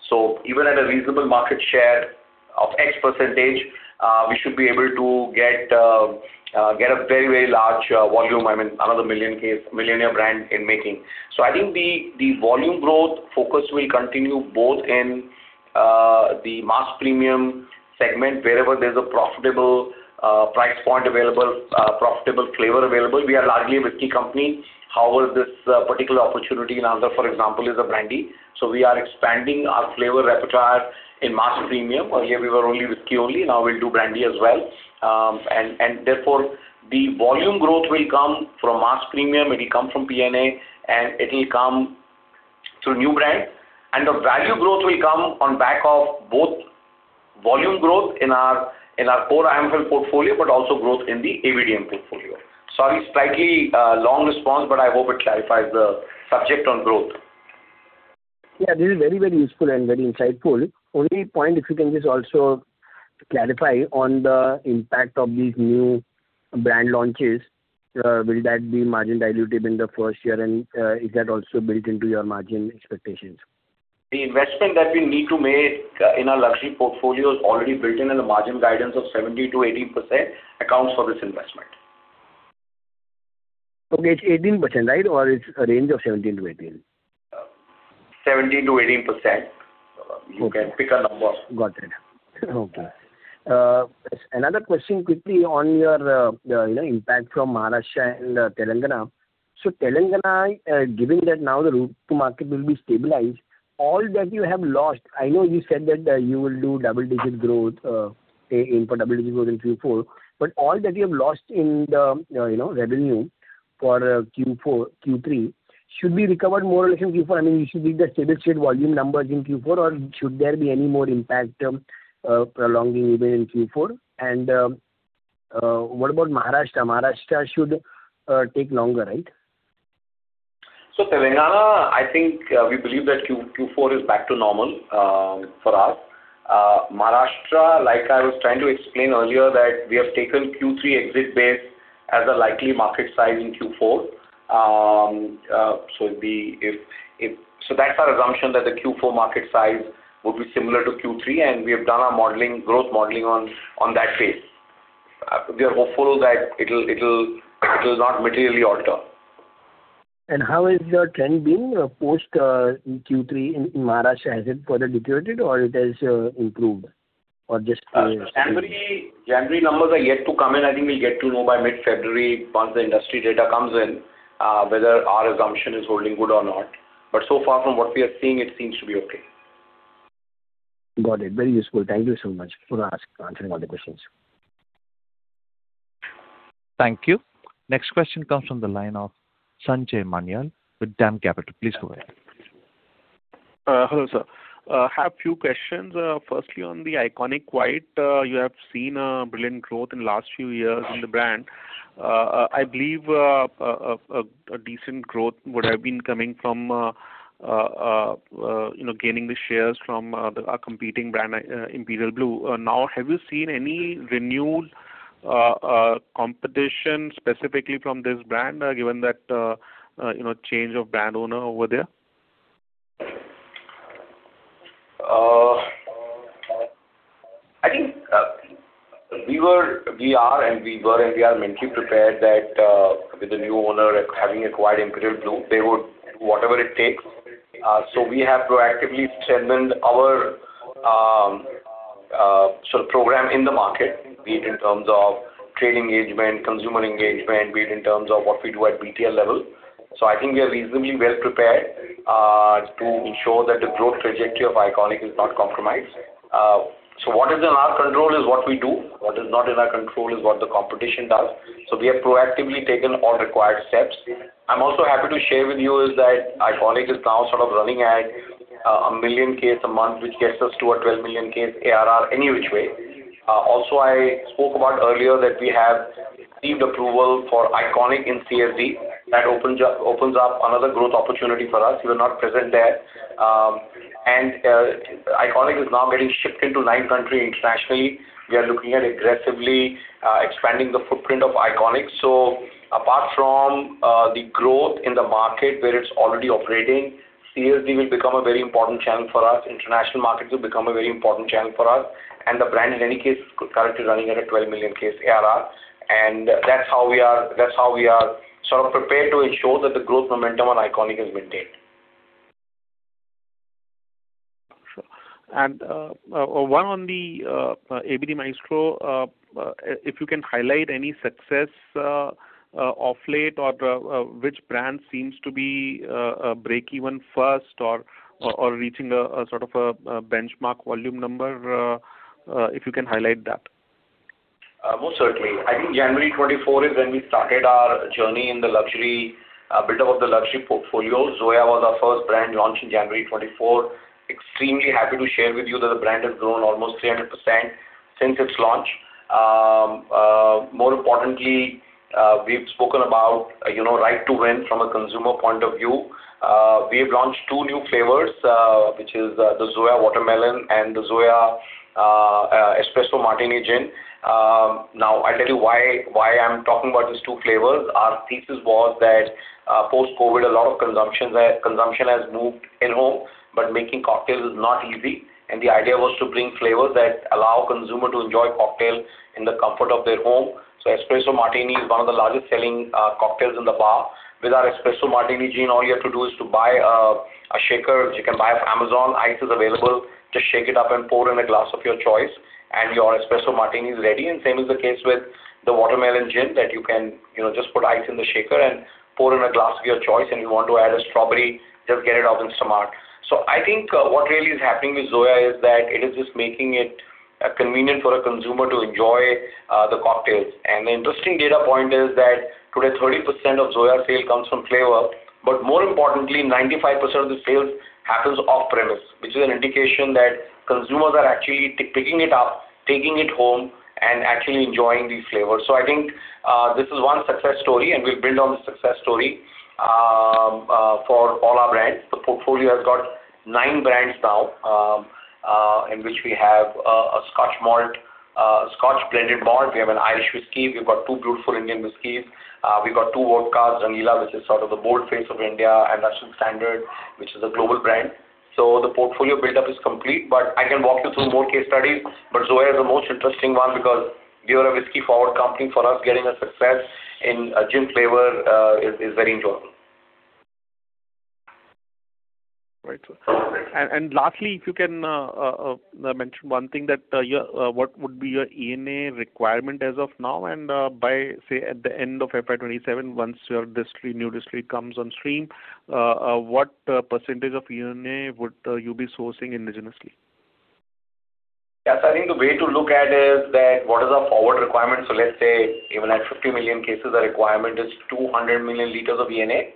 So even at a reasonable market share of X percent, we should be able to get a very, very large volume, I mean, another million-case millionaire brand in making. So I think the volume growth focus will continue both in the mass premium segment, wherever there's a profitable price point available, profitable flavor available. We are largely a whiskey company. However, this particular opportunity in Andhra, for example, is a brandy. So we are expanding our flavor repertoire in mass premium, where here we were only whiskey only, now we'll do brandy as well. And therefore, the volume growth will come from mass premium, it'll come from P&A, and it'll come through new brand. And the value growth will come on back of both volume growth in our core MFL portfolio, but also growth in the ABDM portfolio. Sorry, slightly, long response, but I hope it clarifies the subject on growth. Yeah, this is very, very useful and very insightful. Only point if you can just also clarify on the impact of these new brand launches, will that be margin dilutive in the first year? And, is that also built into your margin expectations? The investment that we need to make, in our luxury portfolio is already built in, and the margin guidance of 17%-18% accounts for this investment. Okay, it's 18%, right? Or it's a range of 17%-18%? 17%-18%. Okay. You can pick a number. Got it. Okay. Another question quickly on your, the impact from Maharashtra and Telangana. So Telangana, given that now the route to market will be stabilized, all that you have lost, I know you said that, you will do double-digit growth, aim for double-digit growth in Q4, but all that you have lost in the, you know, revenue for Q4-Q3, should be recovered more or less in Q4? I mean, you should see the stable state volume numbers in Q4, or should there be any more impact, prolonging even in Q4? What about Maharashtra? Maharashtra should take longer, right? So Telangana, I think, we believe that Q4 is back to normal, for us. Maharashtra, like I was trying to explain earlier, that we have taken Q3 exit base as a likely market size in Q4. So that's our assumption, that the Q4 market size would be similar to Q3, and we have done our modeling, growth modeling on that base. We are hopeful that it'll not materially alter. How is your trend being post in Q3 in Maharashtra? Has it further deteriorated, or it has improved? Or just-- January numbers are yet to come in. I think we'll get to know by mid-February, once the industry data comes in, whether our assumption is holding good or not. So far from what we are seeing, it seems to be okay. Got it. Very useful. Thank you so much for answering all the questions. Thank you. Next question comes from the line of Sanjay Manyal with DAM Capital. Please go ahead. Hello, sir. I have a few questions. Firstly, on the ICONiQ White, you have seen brilliant growth in last few years on the brand. I believe a decent growth would have been coming from you know, gaining the shares from a competing brand, Imperial Blue. Now, have you seen any renewed competition specifically from this brand, given that you know, change of brand owner over there? I think we are, and we were, and we are mentally prepared that with the new owner having acquired Imperial Blue, they would do whatever it takes. So we have proactively segmented our program in the market, be it in terms of trade engagement, consumer engagement, be it in terms of what we do at BTL level. So I think we are reasonably well prepared to ensure that the growth trajectory of ICONiQ is not compromised. So what is in our control is what we do. What is not in our control is what the competition does. So we have proactively taken all required steps. I'm also happy to share with you is that ICONiQ is now sort of running at 1 million cases a month, which gets us to a 12 million cases ARR any which way. Also, I spoke about earlier that we have received approval for ICONiQ in CSD. That opens up, opens up another growth opportunity for us. We are not present there. And, ICONiQ is now getting shipped into nine countries internationally. We are looking at aggressively expanding the footprint of ICONiQ. So apart from the growth in the market where it's already operating, CSD will become a very important channel for us, international markets will become a very important channel for us, and the brand, in any case, is currently running at a 12 million case ARR. And that's how we are, that's how we are sort of prepared to ensure that the growth momentum on ICONiQ is maintained. Sure. And one on the ABD Maestro, if you can highlight any success of late or which brand seems to be break even first or reaching a sort of a benchmark volume number, if you can highlight that. Most certainly. I think January 2024 is when we started our journey in the luxury build up of the luxury portfolio. Zoya was our first brand launched in January 2024. Extremely happy to share with you that the brand has grown almost 300% since its launch. More importantly, we've spoken about, you know, right to win from a consumer point of view. We've launched two new flavors, which is the Zoya Watermelon and the Zoya Espresso Martini Gin. Now, I'll tell you why I'm talking about these two flavors. Our thesis was that post-COVID, a lot of consumption has moved in-home, but making cocktails is not easy, and the idea was to bring flavors that allow consumer to enjoy cocktail in the comfort of their home. So Espresso Martini is one of the largest selling cocktails in the bar. With our Espresso Martini gin, all you have to do is to buy a shaker, which you can buy off Amazon. Ice is available. Just shake it up and pour in a glass of your choice, and your Espresso Martini is ready. And same is the case with the Watermelon gin, that you can, you know, just put ice in the shaker and pour in a glass of your choice, and you want to add a strawberry, just get it out and smart. So I think what really is happening with Zoya is that it is just making it convenient for a consumer to enjoy the cocktails. And the interesting data point is that today, 30% of Zoya sale comes from flavor up. But more importantly, 95% of the sales happens off-premise, which is an indication that consumers are actually picking it up, taking it home, and actually enjoying these flavors. So I think, this is one success story, and we'll build on the success story, for all our brands. The portfolio has got nine brands now, in which we have, a Scotch malt, Scotch blended malt. We have an Irish whiskey. We've got two beautiful Indian whiskeys. We've got two vodkas, Rangeela, which is sort of the bold face of India, and Russian Standard, which is a global brand. So the portfolio buildup is complete, but I can walk you through more case studies. But Zoya is the most interesting one because we are a whiskey-forward company. For us, getting a success in a gin flavor, is, is very enjoyable. Right, sir. And lastly, if you can mention one thing that your—what would be your ENA requirement as of now, and by, say, at the end of FY 2027, once your distillery, new distillery comes on stream, what percentage of ENA would you be sourcing indigenously? Yes, I think the way to look at it is that what is our forward requirement? So let's say even at 50 million cases, our requirement is 200 million liters of ENA.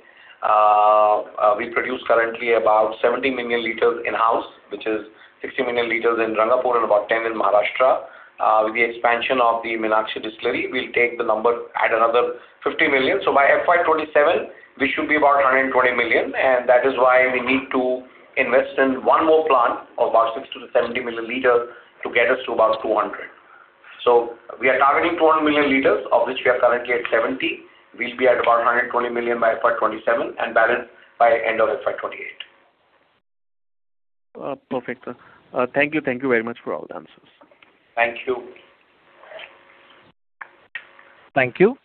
We produce currently about 70 million liters in-house, which is 60 million liters in Rangapur and about 10 in Maharashtra. With the expansion of the Minakshi Distillery, we'll take the number, add another 50 million. So by FY 2027, we should be about 120 million, and that is why we need to invest in one more plant of about 60 million-70 million liters to get us to about 200. So we are targeting 200 million liters, of which we are currently at 70. We'll be at about 120 million by FY 2027 and balance by end of FY 2028. Perfect, sir. Thank you. Thank you very much for all the answers. Thank you. Thank you.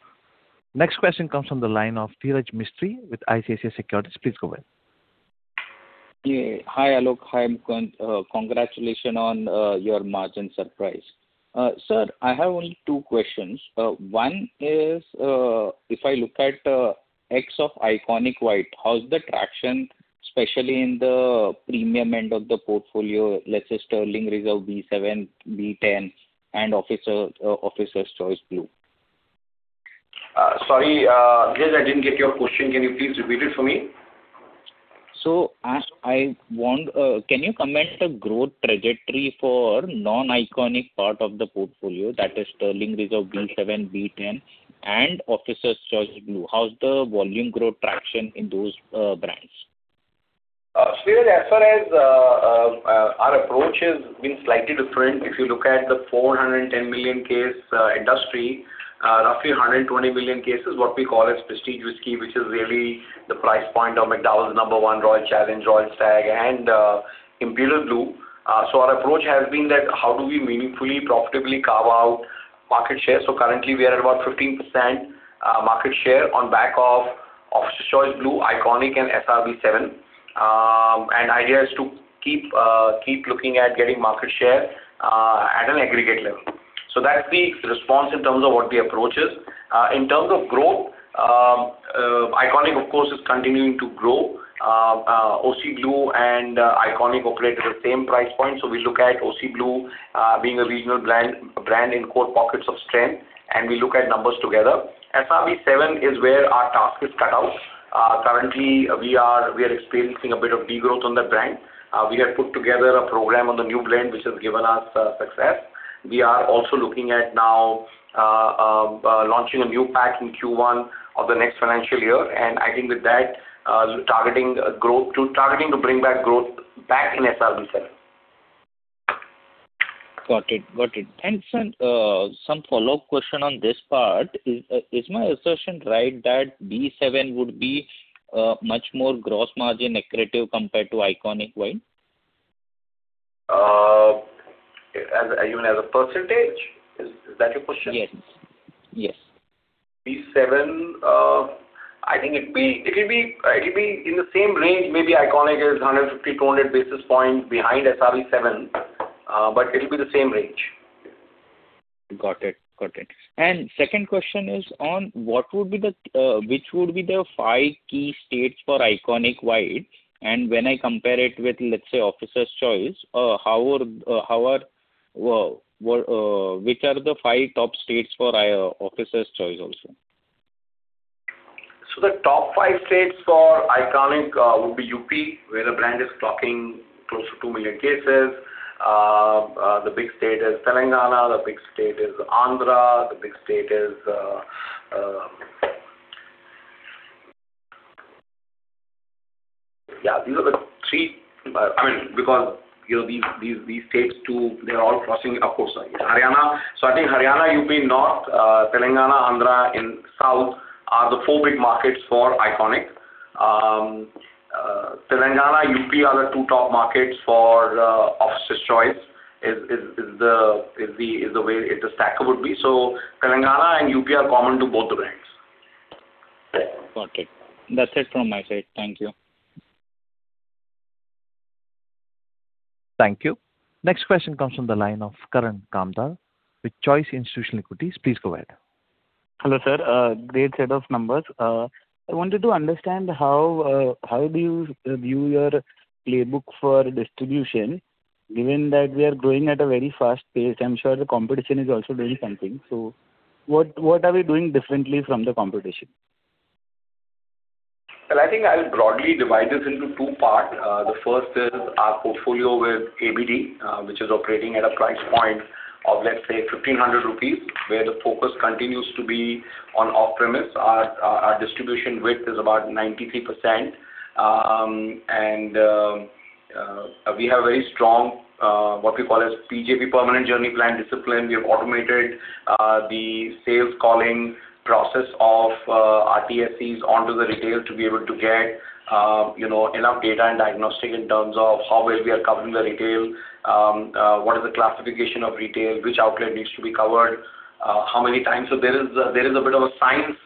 Next question comes from the line of Dhiraj Mistry with ICICI Securities. Please go ahead. Yeah. Hi, Alok. Hi, congratulations on your margin surprise. Sir, I have only two questions. One is, if I look at ex of ICONiQ White, how's the traction, especially in the premium end of the portfolio, let's say, Sterling Reserve B7, B10, and Officer, Officer's Choice Blue? Sorry, Dhiraj, I didn't get your question. Can you please repeat it for me? Can you comment the growth trajectory for non-ICONiQ part of the portfolio, that is Sterling Reserve B7, B10, and Officer's Choice Blue? How's the volume growth traction in those brands? Dhiraj, as far as our approach has been slightly different. If you look at the 410 million case industry, roughly 120 million cases, what we call as prestige whiskey, which is really the price point of McDowell's Number One, Royal Challenge, Royal Stag, and Imperial Blue. So our approach has been that, how do we meaningfully, profitably carve out market share? So currently, we are at about 15% market share on back of Officer's Choice Blue, ICONiQ, and SRB seven. And idea is to keep looking at getting market share at an aggregate level. So that's the response in terms of what the approach is. In terms of growth, ICONiQ, of course, is continuing to grow. OC Blue and ICONiQ operate at the same price point, so we look at OC Blue, being a regional brand in core pockets of strength, and we look at numbers together. SRB7 is where our task is cut out. Currently, we are experiencing a bit of degrowth on that brand. We have put together a program on the new brand, which has given us success. We are also looking at now launching a new pack in Q1 of the next financial year, and I think with that, targeting growth to- targeting to bring back growth back in SRB7. Got it. And then, some follow-up question on this part. Is my assertion right, that B7 would be much more gross margin accretive compared to ICONiQ White? As you mean as a percentage? Is that your question? Yes. Yes. B7, I think it will be, it'll be in the same range. Maybe ICONiQ is 150-200 basis points behind SRB7, but it'll be the same range. Got it. And second question is on which would be the five key states for ICONiQ White? And when I compare it with, let's say, Officer's Choice, which are the five top states for Officer's Choice also? So the top five states for ICONiQ would be UP, where the brand is stocking close to 2 million cases. The big state is Telangana, the big state is Andhra, the big state is--Yeah, these are the three, I mean, because, you know, these states too, they're all crossing, of course. Haryana. So I think Haryana, UP north, Telangana, Andhra in south, are the four big markets for ICONiQ. Telangana, UP are the two top markets for Officer's Choice is the way the stacker would be. So Telangana and UP are common to both the brands. Got it. That's it from my side. Thank you. Thank you. Next question comes from the line of Karan Kamdar with Choice Institutional Equities. Please go ahead. Hello, sir. Great set of numbers. I wanted to understand how, how do you view your playbook for distribution, given that we are growing at a very fast pace? I'm sure the competition is also doing something. So what, what are we doing differently from the competition? Well, I think I'll broadly divide this into two parts. The first is our portfolio with ABD, which is operating at a price point of, let's say, 1,500 rupees, where the focus continues to be on off-premise. Our distribution width is about 93%. And we have very strong what we call as PJP, Permanent Journey Plan discipline. We have automated the sales calling process of our TSCs onto the retail to be able to get, you know, enough data and diagnostic in terms of how well we are covering the retail, what is the classification of retail, which outlet needs to be covered, how many times? So there is a bit of a science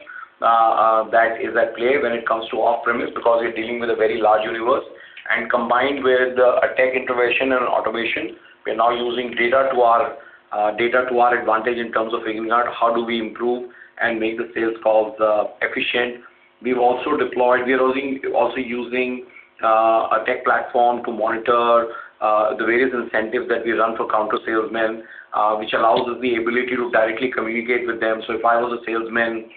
that is at play when it comes to off-premise, because we're dealing with a very large universe. Combined with a tech intervention and automation, we're now using data to our advantage in terms of figuring out how do we improve and make the sales calls efficient. We're also using a tech platform to monitor the various incentives that we run for counter salesmen, which allows us the ability to directly communicate with them. So if I was a salesman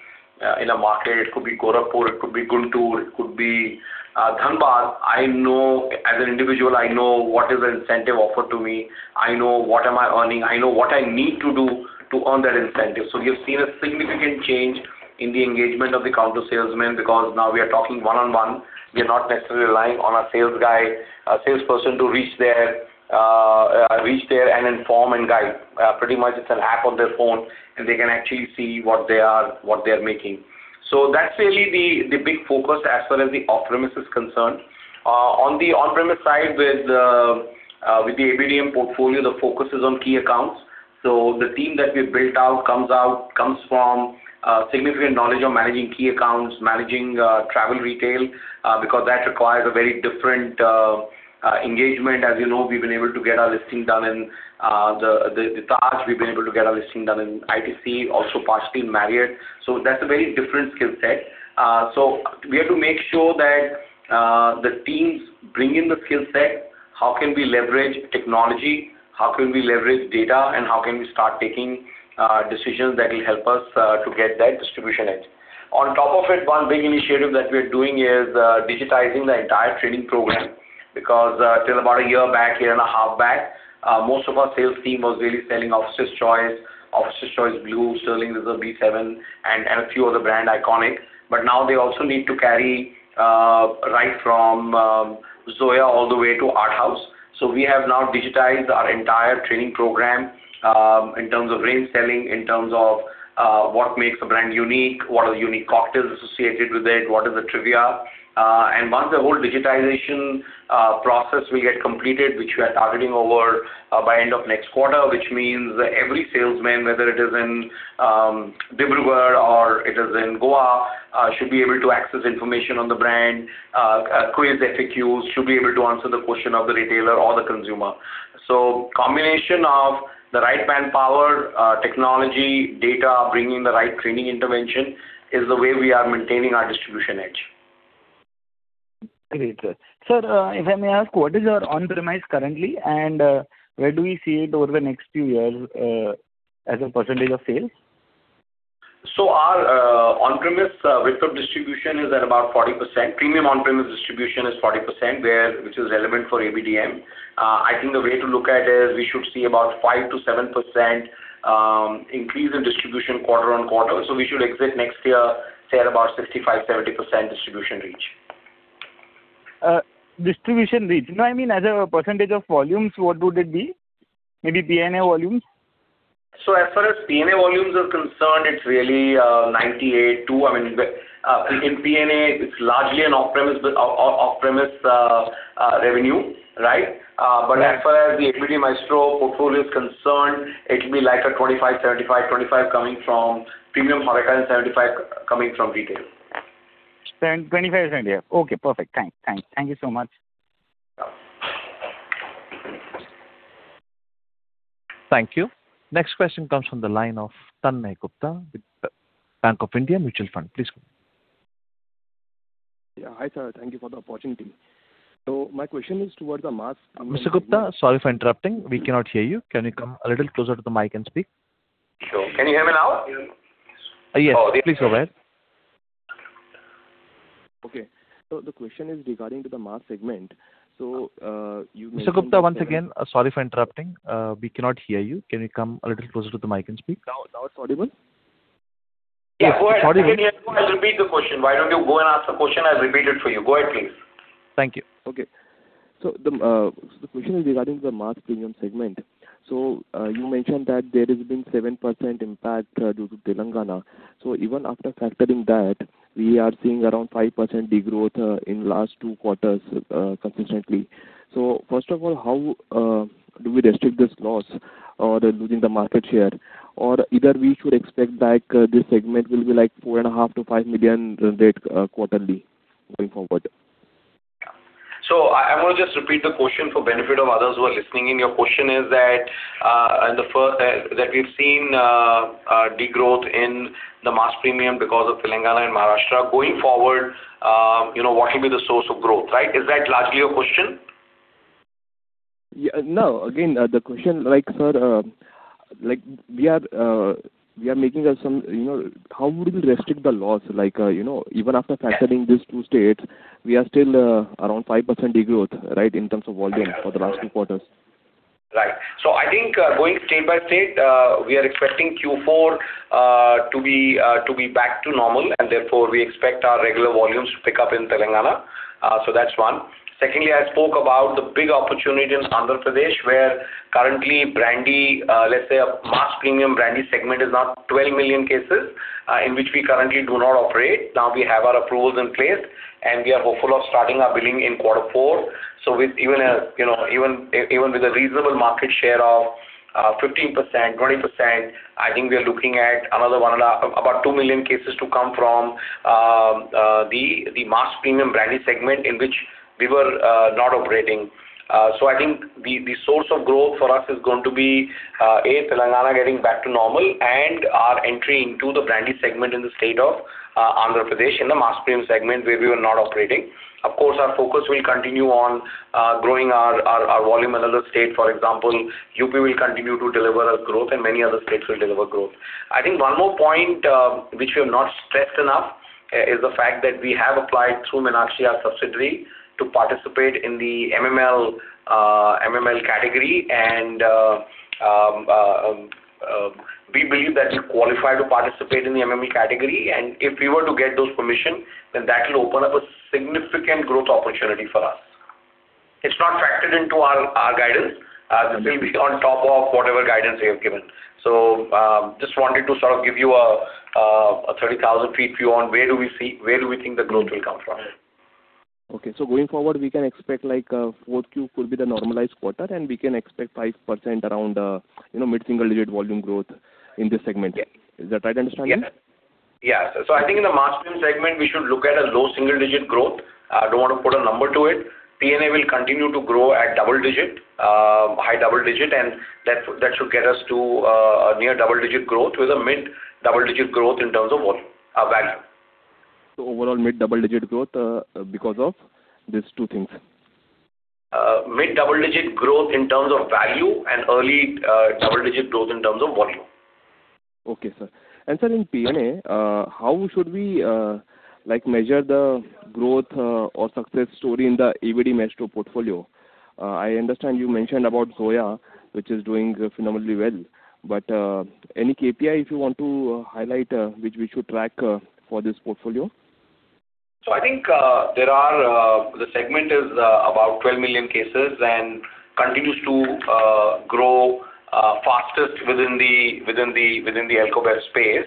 in a market, it could be Gorakhpur, it could be Guntur, it could be Dhanbad, I know, as an individual, I know what is the incentive offered to me. I know what am I earning. I know what I need to do to earn that incentive. So we have seen a significant change in the engagement of the counter salesman, because now we are talking one-on-one. We are not necessarily relying on a sales guy, a salesperson to reach there and inform and guide. Pretty much it's an app on their phone, and they can actually see what they are making. So that's really the big focus as far as the off-premise is concerned. On the on-premise side, with the ABDM portfolio, the focus is on key accounts. So the team that we've built out comes from significant knowledge of managing key accounts, managing travel retail, because that requires a very different engagement. As you know, we've been able to get our listing done in the Taj, we've been able to get our listing done in ITC, also partially Marriott. So that's a very different skill set. So we have to make sure that the teams bring in the skill set, how can we leverage technology? How can we leverage data? And how can we start taking decisions that will help us to get that distribution edge? On top of it, one big initiative that we're doing is digitizing the entire training program, because till about a year back, year and a half back, most of our sales team was really selling Officer's Choice, Officer's Choice Blue, Sterling Reserve B7, and a few other brand ICONiQ. But now they also need to carry, right from, Zoya all the way to Arthaus. So we have now digitized our entire training program, in terms of range selling, in terms of, what makes a brand unique, what are the unique cocktails associated with it, what is the trivia? And once the whole digitization, process we get completed, which we are targeting over, by end of next quarter, which means every salesman, whether it is in, Dibrugarh or it is in Goa, should be able to access information on the brand, quiz, FAQs, should be able to answer the question of the retailer or the consumer. So combination of the right manpower, technology, data, bringing the right training intervention, is the way we are maintaining our distribution edge. Great, sir. Sir, if I may ask, what is your on-premise currently, and where do we see it over the next few years, as a percentage of sales? So our on-premise with distribution is at about 40%. Premium on-premise distribution is 40%, which is relevant for ABDM. I think the way to look at it is we should see about 5%-7% increase in distribution quarter on quarter. So we should exit next year, say, at about 65%-70% distribution reach. Distribution reach. No, I mean, as a percentage of volumes, what would it be? Maybe P&A volumes. So as far as P&A volumes are concerned, it's really 98% to--I mean, in P&A, it's largely an off-premise, but off-premise revenue, right? But as far as the ABD Maestro portfolio is concerned, it will be like a 25%-35%. 25% coming from premium market and 75% coming from retail. 25%, 75%. Okay, perfect. Thanks. Thank you so much. Thank you. Next question comes from the line of Tanmay Gupta with Bank of India Mutual Fund. Please go. Yeah. Hi, sir. Thank you for the opportunity. So my question is towards the mass- Mr. Gupta, sorry for interrupting. We cannot hear you. Can you come a little closer to the mic and speak? Sure. Can you hear me now? Yes, please go ahead. Okay. The question is regarding to the mass segment. So, you-- Mr. Gupta, once again, sorry for interrupting. We cannot hear you. Can you come a little closer to the mic and speak? Now, now it's audible? Yeah, go ahead. It's audible. Repeat the question. Why don't you go and ask the question? I'll repeat it for you. Go ahead, please. Thank you. Okay. So the question is regarding the mass premium segment. So you mentioned that there has been 7% impact due to Telangana. So even after factoring that, we are seeing around 5% degrowth in last two quarters consistently. So first of all, how do we restrict this loss or losing the market share? Or either we should expect that this segment will be like 4.5 million-5 million rate quarterly going forward? So I want to just repeat the question for benefit of others who are listening in. Your question is that, in the first half, that we've seen, degrowth in the mass premium because of Telangana and Maharashtra. Going forward, you know, what will be the source of growth, right? Is that largely your question? Yeah. No, again, the question, like, sir, like we are making some--you know, how would we restrict the loss? Like, you know, even after factoring these two states, we are still, around 5% degrowth, right, in terms of volume for the last two quarters. Right. So I think, going state by state, we are expecting Q4 to be back to normal, and therefore, we expect our regular volumes to pick up in Telangana. So that's one. Secondly, I spoke about the big opportunity in Andhra Pradesh, where currently brandy, let's say a mass premium brandy segment, is now 12 million cases, in which we currently do not operate. Now, we have our approvals in place, and we are hopeful of starting our bottling in quarter four. So with even a, you know, even with a reasonable market share of 15%-20%, I think we are looking at another 1.5 million, about 2 million cases to come from the mass premium brandy segment in which we were not operating. So I think the source of growth for us is going to be Telangana getting back to normal, and our entry into the brandy segment in the state of Andhra Pradesh, in the mass premium segment, where we were not operating. Of course, our focus will continue on growing our volume in other state. For example, UP will continue to deliver us growth and many other states will deliver growth. I think one more point, which we have not stressed enough, is the fact that we have applied through Minakshi, our subsidiary, to participate in the MML category. We believe that we qualify to participate in the MML category, and if we were to get those permission, then that will open up a significant growth opportunity for us. It's not factored into our guidance. This will be on top of whatever guidance we have given. So, just wanted to sort of give you a 30,000 feet view on where we think the growth will come from. Okay. So going forward, we can expect like, 4Q will be the normalized quarter, and we can expect 5% around, you know, mid-single-digit volume growth in this segment. Yeah. Is that right understanding? Yeah. So I think in the mass premium segment, we should look at a low single digit growth. I don't want to put a number to it. P&A will continue to grow at double digit, high double digit, and that, that should get us to, a near double digit growth with a mid-double digit growth in terms of volume, value. So overall, mid-double digit growth because of these two things. Mid double-digit growth in terms of value and early double-digit growth in terms of volume. Okay, sir. Sir, in P&A, how should we, like, measure the growth or success story in the ABD Maestro portfolio? I understand you mentioned about Zoya, which is doing phenomenally well, but any KPI if you want to highlight, which we should track for this portfolio? So I think there are. The segment is about 12 million cases and continues to grow fastest within the alcobev space.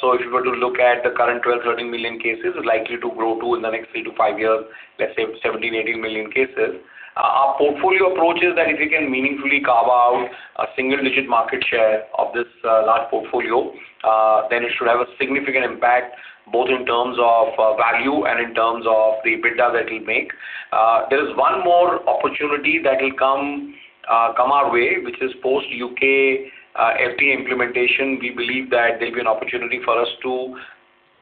So if you were to look at the current 12 million-13 million cases, likely to grow to in the next 3-5 years, let's say 17 million-18 million cases. Our portfolio approach is that if you can meaningfully carve out a single-digit market share of this large portfolio, then it should have a significant impact, both in terms of value and in terms of the EBITDA that it will make. There is one more opportunity that will come our way, which is post-UK FTA implementation. We believe that there'll be an opportunity for us to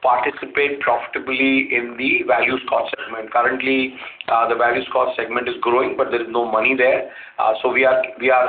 participate profitably in the value Scotch segment. Currently, the value Scotch segment is growing, but there's no money there. So we are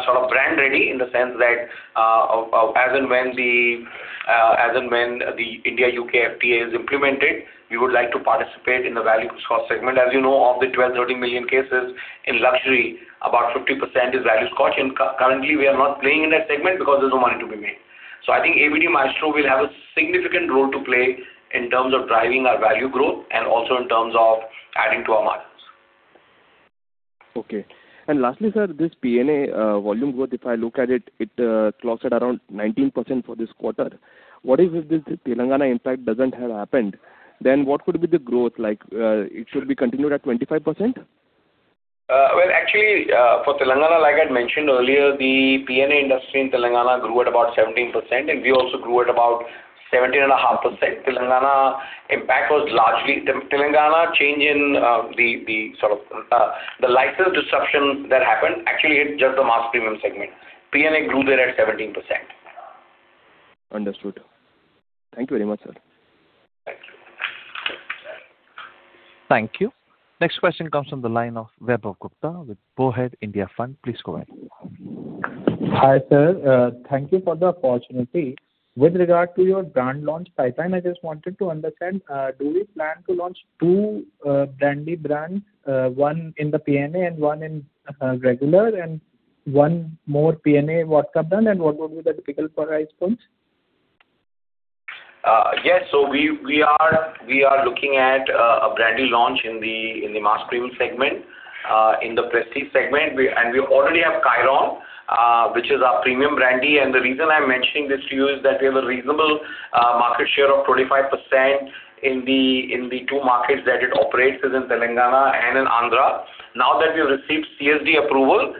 sort of brand ready, in the sense that, as and when the India-UK FTA is implemented, we would like to participate in the value Scotch segment. As you know, of the 12 million-13 million cases in luxury, about 50% is value Scotch. And currently, we are not playing in that segment because there's no money to be made. So I think ABD Maestro will have a significant role to play in terms of driving our value growth and also in terms of adding to our margins. Okay. Lastly, sir, this P&A volume growth, if I look at it, it clocks at around 19% for this quarter. What if this Telangana impact doesn't have happened, then what could be the growth like? It should be continued at 25%? Well, actually, for Telangana, like I'd mentioned earlier, the P&A industry in Telangana grew at about 17%, and we also grew at about 17.5%. Telangana impact was largely--Telangana change in, the, the sort of, the license disruption that happened actually hit just the mass premium segment. P&A grew there at 17%. Understood. Thank you very much, sir. Thank you. Thank you. Next question comes from the line of Vaibhav Gupta with Bowhead India Fund. Please go ahead. Hi, sir. Thank you for the opportunity. With regard to your brand launch pipeline, I just wanted to understand, do we plan to launch two brandy brands, one in the P&A and one in regular, and one more P&A vodka brand? And what would be the typical price points? Yes. So we are looking at a brandy launch in the mass premium segment, in the prestige segment. And we already have Kyron, which is our premium brandy. And the reason I'm mentioning this to you is that we have a reasonable market share of 25% in the two markets that it operates, is in Telangana and in Andhra. Now that we've received CSD approval,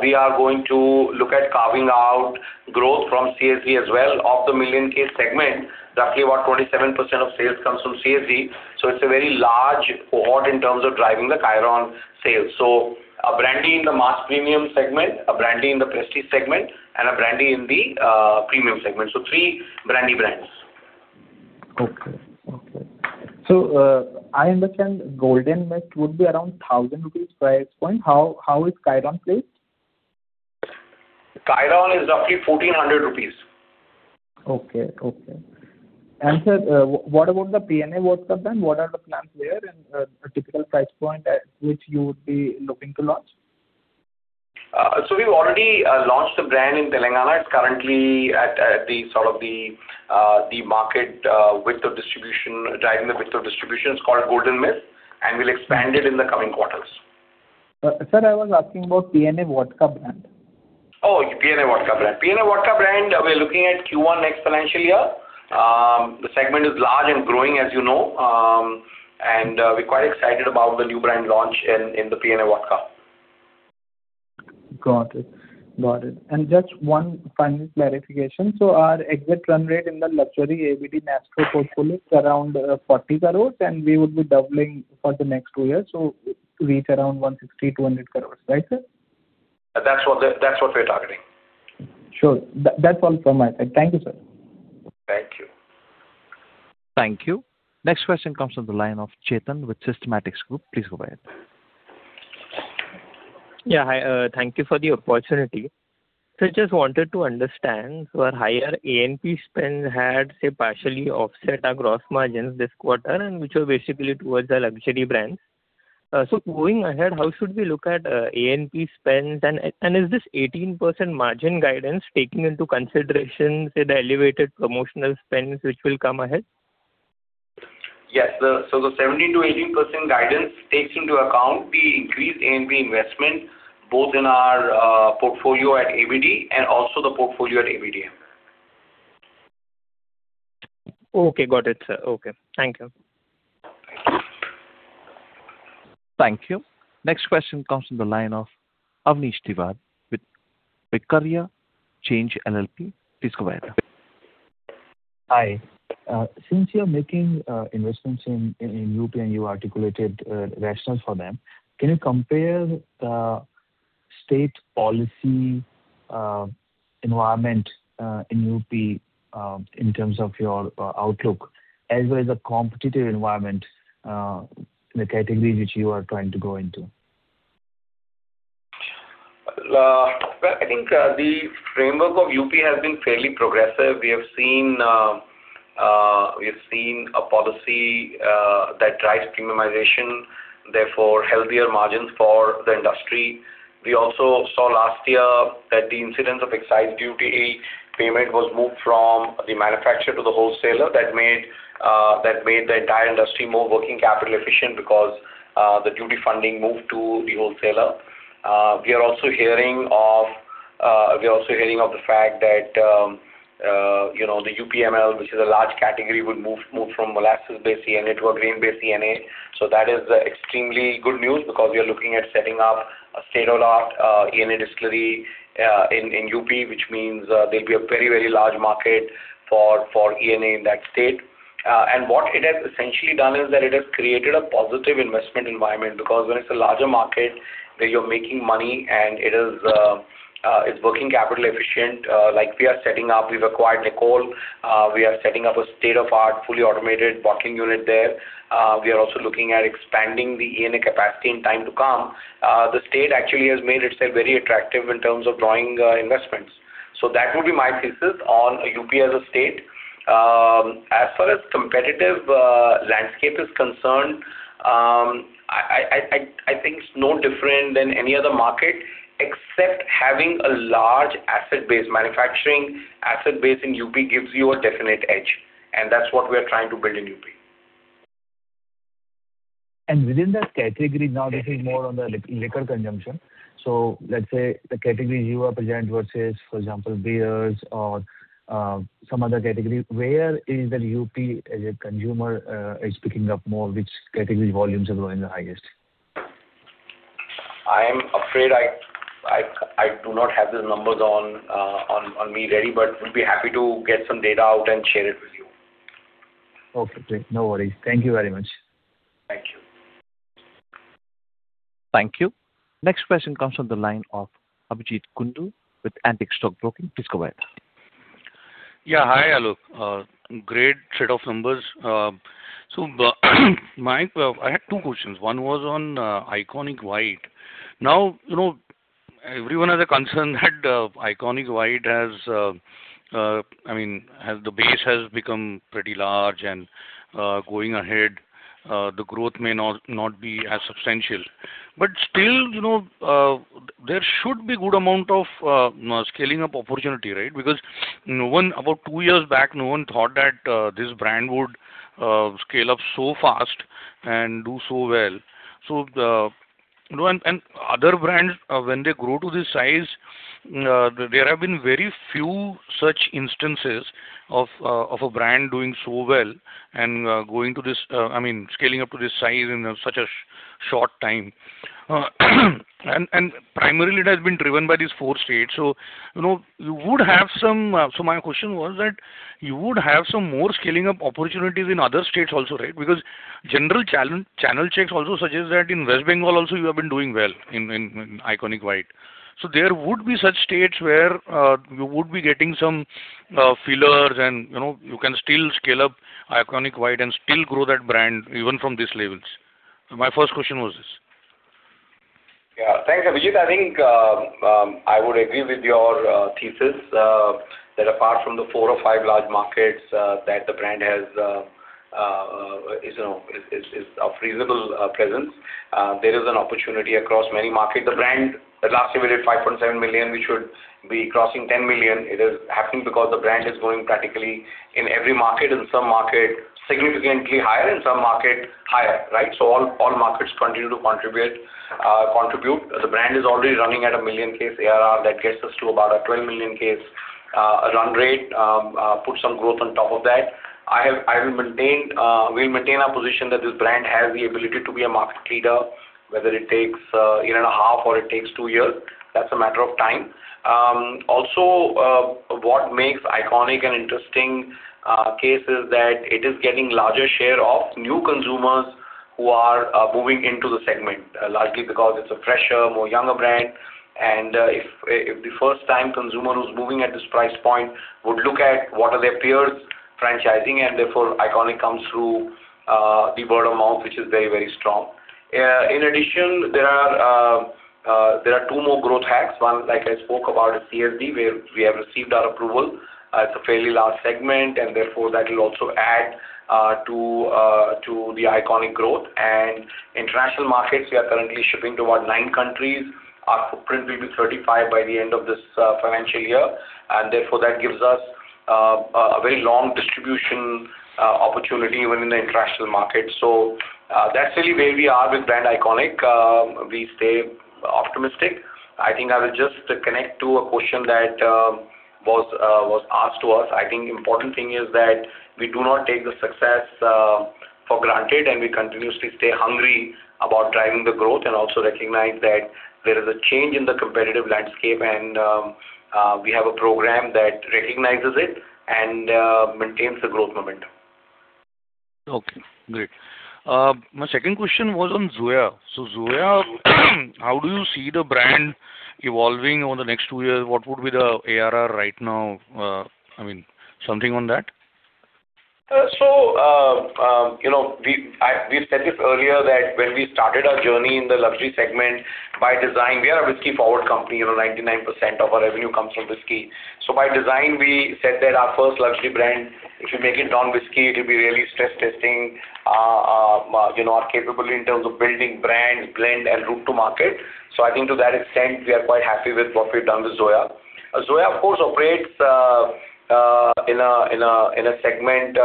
we are going to look at carving out growth from CSD as well. Of the million case segment, roughly about 27% of sales comes from CSD, so it's a very large cohort in terms of driving the Kyron sales. So a brandy in the mass premium segment, a brandy in the prestige segment, and a brandy in the premium segment. So three brandy brands. Okay, okay. So, I understand Golden Mist would be around 1,000 rupees price point. How is Kyron placed? Kyron is roughly 1,400 rupees. Okay, okay. And, sir, what about the P&A vodka brand? What are the plans there and the typical price point at which you would be looking to launch? So we've already launched the brand in Telangana. It's currently at sort of the market width of distribution, driving the width of distribution. It's called Golden Mist, and we'll expand it in the coming quarters. Sir, I was asking about P&A vodka brand. Oh, P&A vodka brand. PNA vodka brand, we're looking at Q1 next financial year. The segment is large and growing, as you know, and we're quite excited about the new brand launch in the P&A vodka. Got it. And just one final clarification: so our exit run rate in the luxury ABD Maestro portfolio is around 40 crore, and we would be doubling for the next two years, so to reach around 160 crore-200 crore. Right, sir? That's what we're targeting. Sure. That's all from my side. Thank you, sir. Thank you. Thank you. Next question comes from the line of Chetan with Systematix Group. Please go ahead. Yeah, hi, thank you for the opportunity. So I just wanted to understand, your higher A&P spend had, say, partially offset our gross margins this quarter, and which were basically towards the luxury brands. So going ahead, how should we look at, A&P spend? And, and is this 18% margin guidance taking into consideration, say, the elevated promotional spends, which will come ahead? Yes. So the 17%-18% guidance takes into account the increased A&P investment, both in our portfolio at ABD and also the portfolio at ABDM. Okay, got it, sir. Okay, thank you. Thank you. Thank you. Next question comes from the line of Avnish Tiwari with Vaikarya Change LLP. Please go ahead. Hi. Since you're making investments in UP, and you articulated rationales for them, can you compare state policy environment in UP in terms of your outlook, as well as the competitive environment in the categories which you are trying to go into? Well, I think the framework of UP has been fairly progressive. We have seen a policy that drives premiumization, therefore healthier margins for the industry. We also saw last year that the incidence of excise duty payment was moved from the manufacturer to the wholesaler. That made the entire industry more working capital efficient because the duty funding moved to the wholesaler. We are also hearing of the fact that, you know, the UPML, which is a large category, would move from molasses-based ENA to a grain-based ENA. So that is extremely good news, because we are looking at setting up a state-of-the-art ENA distillery in UP, which means there'll be a very large market for ENA in that state. What it has essentially done is that it has created a positive investment environment, because when it's a larger market, where you're making money, and it is, it's working capital efficient, like we are setting up. We've acquired NICOL. We are setting up a state-of-the-art, fully automated bottling unit there. We are also looking at expanding the ENA capacity in time to come. The state actually has made itself very attractive in terms of drawing investments. So that would be my thesis on UP as a state. As far as competitive landscape is concerned, I think it's no different than any other market, except having a large asset base. Manufacturing asset base in UP gives you a definite edge, and that's what we are trying to build in UP. And within that category, now this is more on the liquor consumption. So let's say the categories you are present versus, for example, beers or, some other category, where is that UP as a consumer, is picking up more? Which category volumes are growing the highest? I am afraid I do not have the numbers on me ready, but we'll be happy to get some data out and share it with you. Okay, great. No worries. Thank you very much. Thank you. Thank you. Next question comes from the line of Abhijeet Kundu, with Antique Stock Broking. Please go ahead. Yeah, hi, Alok. Great set of numbers. So, I had two questions. One was on ICONiQ White. Now, you know, everyone has a concern that ICONiQ White has, I mean, the base has become pretty large and going ahead, the growth may not be as substantial. But still, you know, there should be good amount of scaling up opportunity, right? Because no one about two years back, no one thought that this brand would scale up so fast and do so well. You know, and other brands when they grow to this size, there have been very few such instances of a brand doing so well and going to this, I mean, scaling up to this size in such a short time. And primarily, it has been driven by these four states. So you know, you would have some more scaling up opportunities in other states also, right? Because general channel checks also suggest that in West Bengal also, you have been doing well in ICONiQ White. So there would be such states where you would be getting some fillers and, you know, you can still scale up ICONiQ White and still grow that brand, even from these levels. My first question was this. Yeah. Thanks, Abhijit. I think, I would agree with your thesis, that apart from the four or five large markets, that the brand has, is, you know, is a reasonable presence, there is an opportunity across many markets. The brand, last year we did 5.7 million, we should be crossing 10 million. It is happening because the brand is growing practically in every market, in some market, significantly higher, in some market, higher, right? So all, all markets continue to contribute, contribute. The brand is already running at a 1 million case ARR. That gets us to about a 12 million case run rate. Put some growth on top of that. I have, I will maintain, we'll maintain our position that this brand has the ability to be a market leader, whether it takes a year and a half or it takes two years, that's a matter of time. Also, what makes ICONiQ an interesting case is that it is getting larger share of new consumers who are moving into the segment, largely because it's a fresher, more younger brand. And, if the first time consumer who's moving at this price point would look at what are their peers franchising, and therefore, ICONiQ comes through the word of mouth, which is very, very strong. In addition, there are two more growth hacks. One, like I spoke about, is CSD, where we have received our approval. It's a fairly large segment, and therefore, that will also add to the ICONiQ growth. And international markets, we are currently shipping to about nine countries. Our footprint will be 35 by the end of this financial year, and therefore, that gives us a very long distribution opportunity even in the international market. So, that's really where we are with brand ICONiQ. We stay optimistic. I think I will just connect to a question that was asked to us. I think important thing is that we do not take the success for granted, and we continuously stay hungry about driving the growth and also recognize that there is a change in the competitive landscape, and we have a program that recognizes it and maintains the growth momentum. Okay, great. My second question was on Zoya. So Zoya, how do you see the brand evolving over the next two years? What would be the ARR right now? I mean, something on that? You know, we've said it earlier that when we started our journey in the luxury segment, by design, we are a whiskey-forward company. You know, 99% of our revenue comes from whiskey. So by design, we said that our first luxury brand, if you make it non-whiskey, it'll be really stress-testing, you know, our capability in terms of building brands, blend, and route to market. So I think to that extent, we are quite happy with what we've done with Zoya. Zoya, of course, operates in a segment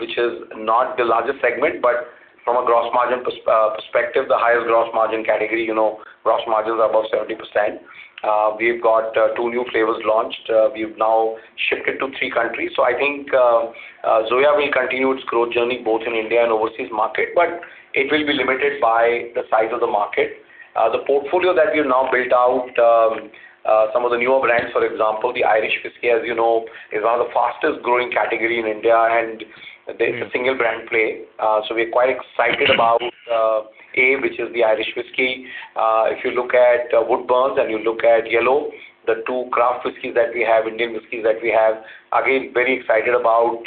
which is not the largest segment, but from a gross margin perspective, the highest gross margin category, you know, gross margins are above 70%. We've got two new flavors launched. We've now shifted to three countries. So I think, Zoya will continue its growth journey both in India and overseas market, but it will be limited by the size of the market. The portfolio that we've now built out, some of the newer brands, for example, the Irish whiskey, as you know, is one of the fastest growing category in India, and there's a single brand play. So we're quite excited about, AODH, which is the Irish whiskey. If you look at Woodburns and you look at YELLO, the two craft whiskeys that we have, Indian whiskeys that we have, again, very excited about,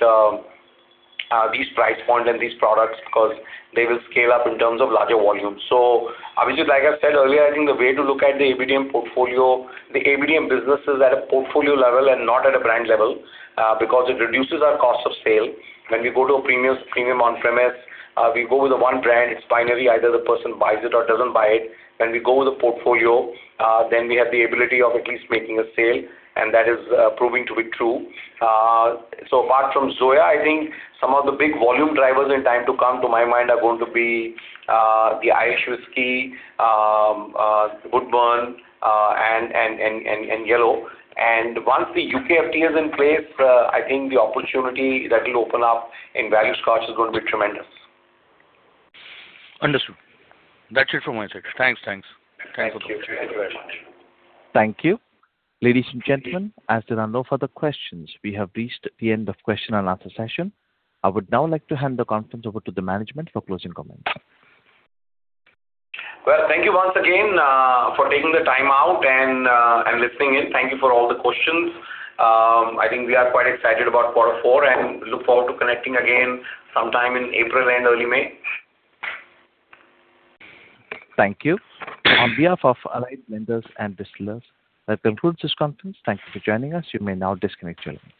these price points and these products, because they will scale up in terms of larger volumes. So Abhijeet, like I said earlier, I think the way to look at the ABDM portfolio, the ABDM business is at a portfolio level and not at a brand level, because it reduces our cost of sale. When we go to a premium on-premise, we go with the one brand, it's binary. Either the person buys it or doesn't buy it. When we go with the portfolio, then we have the ability of at least making a sale, and that is proving to be true. So apart from Zoya, I think some of the big volume drivers in time to come to my mind are going to be the Irish Whiskey, Woodburns, and YELLO. Once the UK FTA is in place, I think the opportunity that will open up in value Scotch is going to be tremendous. Understood. That's it from my side. Thanks, thanks. Thank you. Thank you very much. Thank you. Ladies and gentlemen, as there are no further questions, we have reached the end of question and answer session. I would now like to hand the conference over to the management for closing comments. Well, thank you once again for taking the time out and listening in. Thank you for all the questions. I think we are quite excited about quarter four, and look forward to connecting again sometime in April and early May. Thank you. On behalf of Allied Blenders and Distillers, that concludes this conference. Thank you for joining us. You may now disconnect your line.